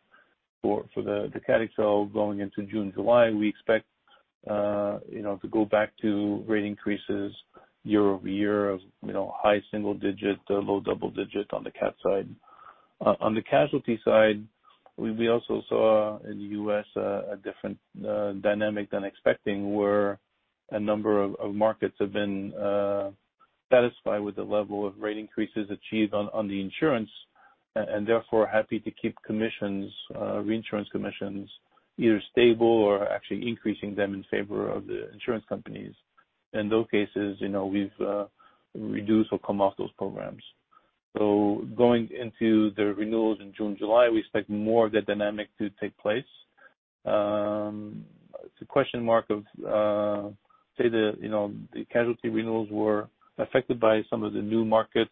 For the catastrophe excess of loss going into June, July, we expect to go back to rate increases year-over-year of high single digit to low double digit on the catastrophe side. On the casualty side, we also saw in the U.S. a different dynamic than expecting, where a number of markets have been satisfied with the level of rate increases achieved on the insurance, and therefore happy to keep reinsurance commissions either stable or actually increasing them in favor of the insurance companies. In those cases, we've reduced or come off those programs. Going into the renewals in June, July, we expect more of that dynamic to take place. It's a question mark of, say that the casualty renewals were affected by some of the new markets,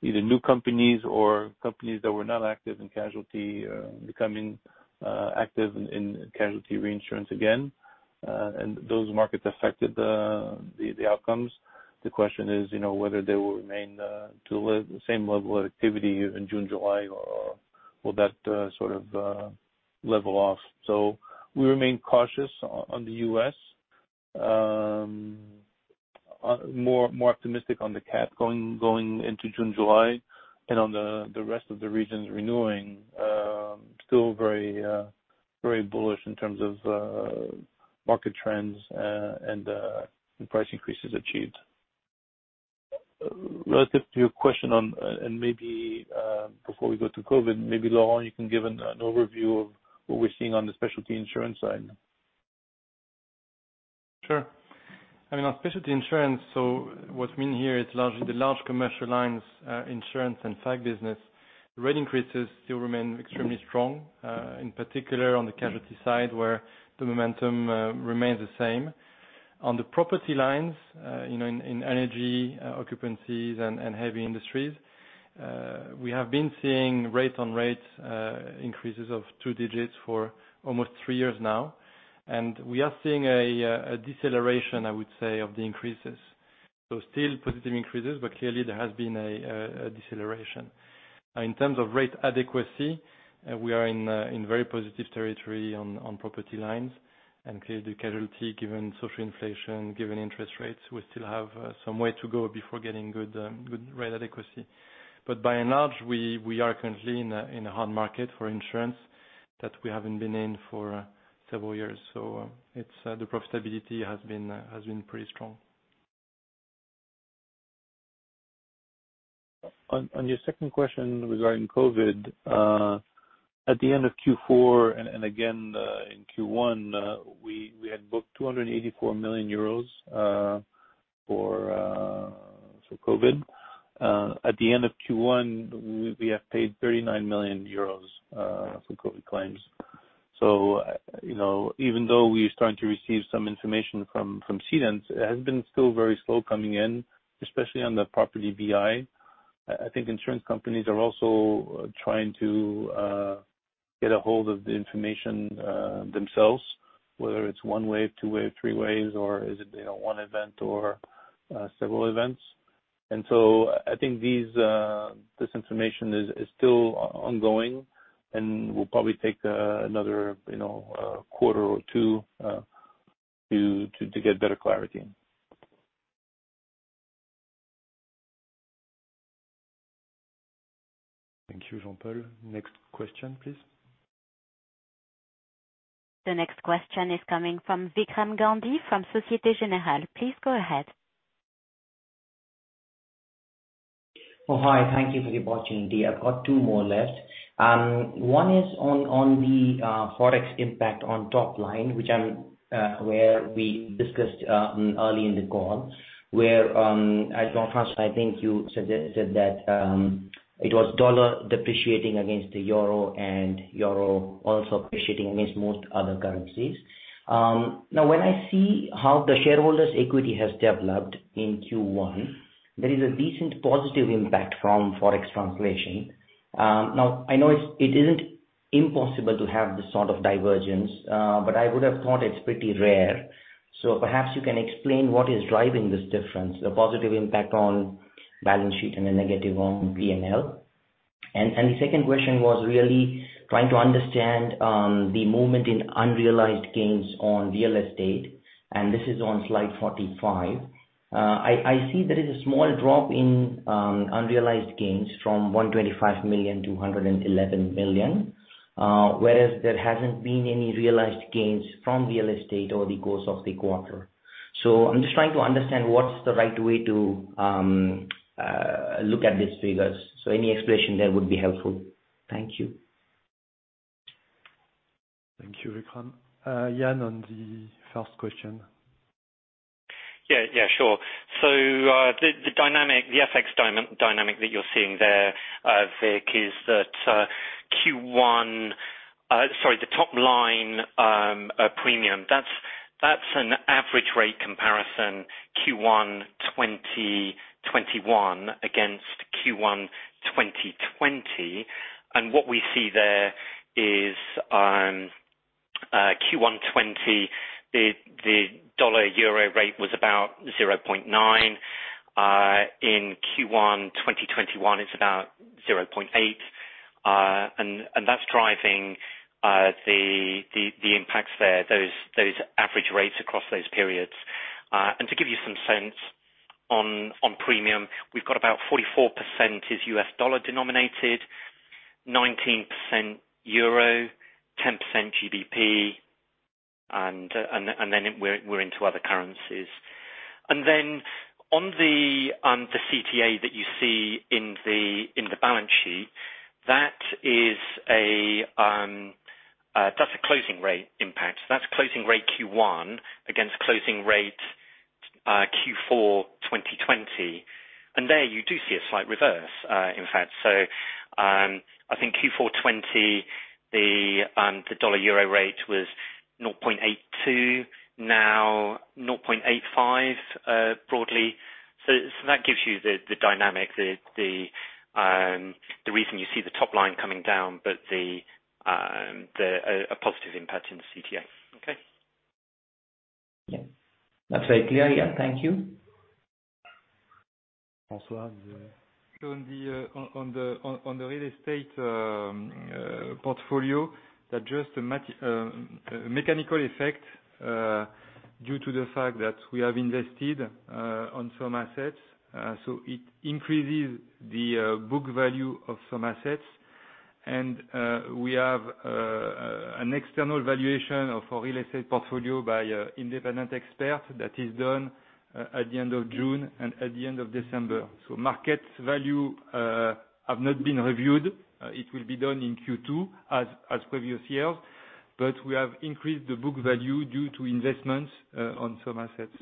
either new companies or companies that were not active in casualty, becoming active in casualty reinsurance again. Those markets affected the outcomes. The question is, whether they will remain the same level of activity in June, July, or will that sort of level off. We remain cautious on the U.S., more optimistic on the catastrophe going into June, July. On the rest of the regions renewing, still very bullish in terms of market trends and the price increases achieved. Relative to your question on, and maybe before we go to COVID, maybe Laurent, you can give an overview of what we're seeing on the specialty insurance side. Sure. On specialty insurance, what's meant here is largely the large commercial lines, insurance and P&C business. The rate increases still remain extremely strong, in particular on the casualty side where the momentum remains the same. On the property lines, in energy occupancies and heavy industries, we have been seeing rate on rate increases of two digits for almost three years now. We are seeing a deceleration, I would say, of the increases. Still positive increases, but clearly there has been a deceleration. In terms of rate adequacy, we are in very positive territory on property lines and clearly casualty, given social inflation, given interest rates, we still have some way to go before getting good rate adequacy. By and large, we are currently in a hard market for insurance that we haven't been in for several years. The profitability has been pretty strong. On your second question regarding COVID, at the end of Q4, and again, in Q1, we had booked 284 million euros for COVID. At the end of Q1, we have paid 39 million euros for COVID claims. Even though we're starting to receive some information from cedants, it has been still very slow coming in, especially on the property BI. I think insurance companies are also trying to get a hold of the information themselves, whether it's one way, two way, three ways, or is it one event or several events. I think this information is still ongoing and will probably take another quarter or two to get better clarity. Thank you, Jean-Paul. Next question, please. The next question is coming from Vikram Gandhi from Société Générale. Please go ahead. Hi. Thank you for the opportunity. I've got two more left. One is on the Forex impact on top line, which we discussed early in the call, where, Jean-Paul, I think you said that it was dollar depreciating against the euro and euro also appreciating against most other currencies. When I see how the shareholders' equity has developed in Q1, there is a decent positive impact from Forex translation. I know it isn't impossible to have this sort of divergence, but I would have thought it's pretty rare. Perhaps you can explain what is driving this difference, the positive impact on balance sheet and a negative on P&L. The second question was really trying to understand the movement in unrealized gains on real estate, and this is on slide 45. I see there is a small drop in unrealized gains from 125 million to 111 million, whereas there hasn't been any realized gains from real estate over the course of the quarter. I'm just trying to understand what's the right way to look at these figures. Any explanation there would be helpful. Thank you. Thank you, Vikram. Ian, on the first question. Yeah. Sure. The FX dynamic that you're seeing there, Vikram, is that the top line premium, that's an average rate comparison, Q1 2021 against Q1 2020. What we see there is Q1 2020, the dollar-euro rate was about 0.9%. In Q1 2021, it's about 0.8%. That's driving the impacts there, those average rates across those periods. To give you some sense on premium, we've got about 44% is US dollar denominated, 19% EUR, 10% GBP, and then we're into other currencies. On the CTA that you see in the balance sheet, that's a closing rate impact. That's closing rate Q1 against closing rate Q4 2020. There you do see a slight reverse, in fact. I think Q4 2020, the dollar-euro rate was 0.82%, now 0.85%, broadly. That gives you the dynamic, the reason you see the top line coming down, but a positive impact in the CTA. Okay? Yeah. That's very clear, Ian. Thank you. François. On the real estate portfolio, that's just a mechanical effect due to the fact that we have invested on some assets. It increases the book value of some assets. We have an external valuation of our real estate portfolio by independent expert that is done at the end of June and at the end of December. Market value have not been reviewed. It will be done in Q2 as previous years, but we have increased the book value due to investments on some assets.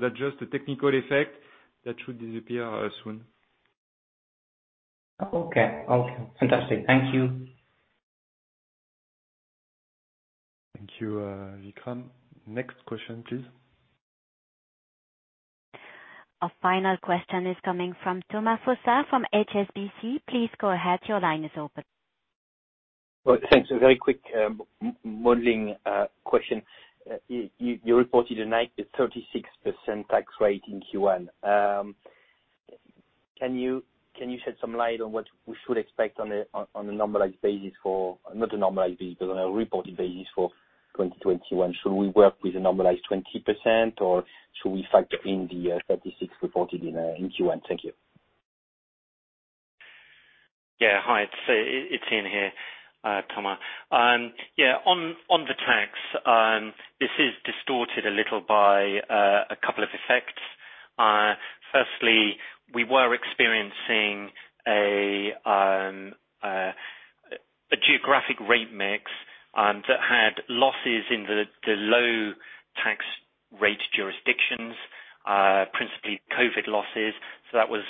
That's just a technical effect that should disappear soon. Okay. Fantastic. Thank you. Thank you, Vikram. Next question, please. Our final question is coming from Thomas Fossard from HSBC. Please go ahead. Your line is open. Thanks. A very quick modeling question. You reported tonight a 36% tax rate in Q1. Can you shed some light on what we should expect on a reported basis for 2021? Should we work with a normalized 20%, or should we factor in the 36% reported in Q1? Thank you. Yeah. Hi, it's Ian here, Thomas. On the tax, this is distorted a little by a couple of effects. Firstly, we were experiencing a geographic rate mix that had losses in the low tax rate jurisdictions, principally COVID losses. That was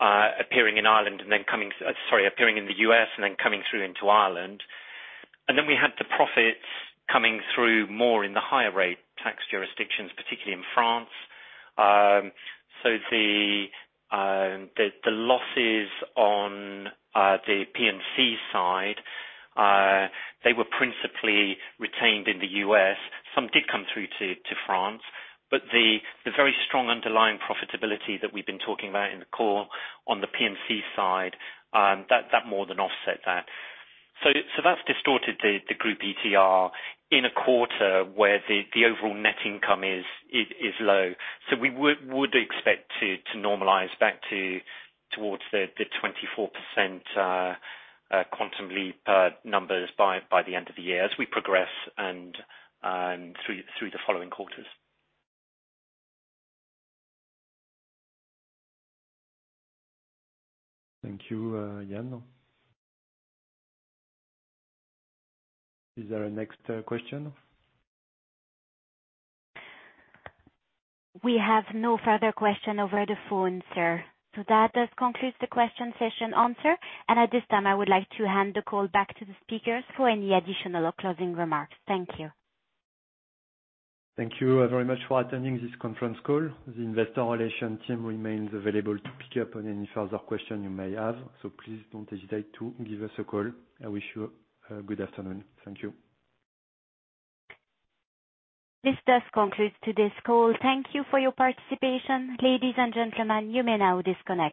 appearing in the U.S. and then coming through into Ireland. Then we had the profits coming through more in the higher rate tax jurisdictions, particularly in France. The losses on the P&C side, they were principally retained in the U.S. Some did come through to France, but the very strong underlying profitability that we've been talking about in the call on the P&C side, that more than offset that. That's distorted the Groupe ETR in a quarter where the overall net income is low. We would expect to normalize back towards the 24% Quantum Leap numbers by the end of the year as we progress and through the following quarters. Thank you, Ian. Is there a next question? We have no further question over the phone, sir. That does conclude the question session answer. At this time, I would like to hand the call back to the speakers for any additional closing remarks. Thank you. Thank you very much for attending this conference call. The investor relations team remains available to pick up on any further question you may have. Please don't hesitate to give us a call. I wish you a good afternoon. Thank you. This does conclude today's call. Thank you for your participation. Ladies and gentlemen, you may now disconnect.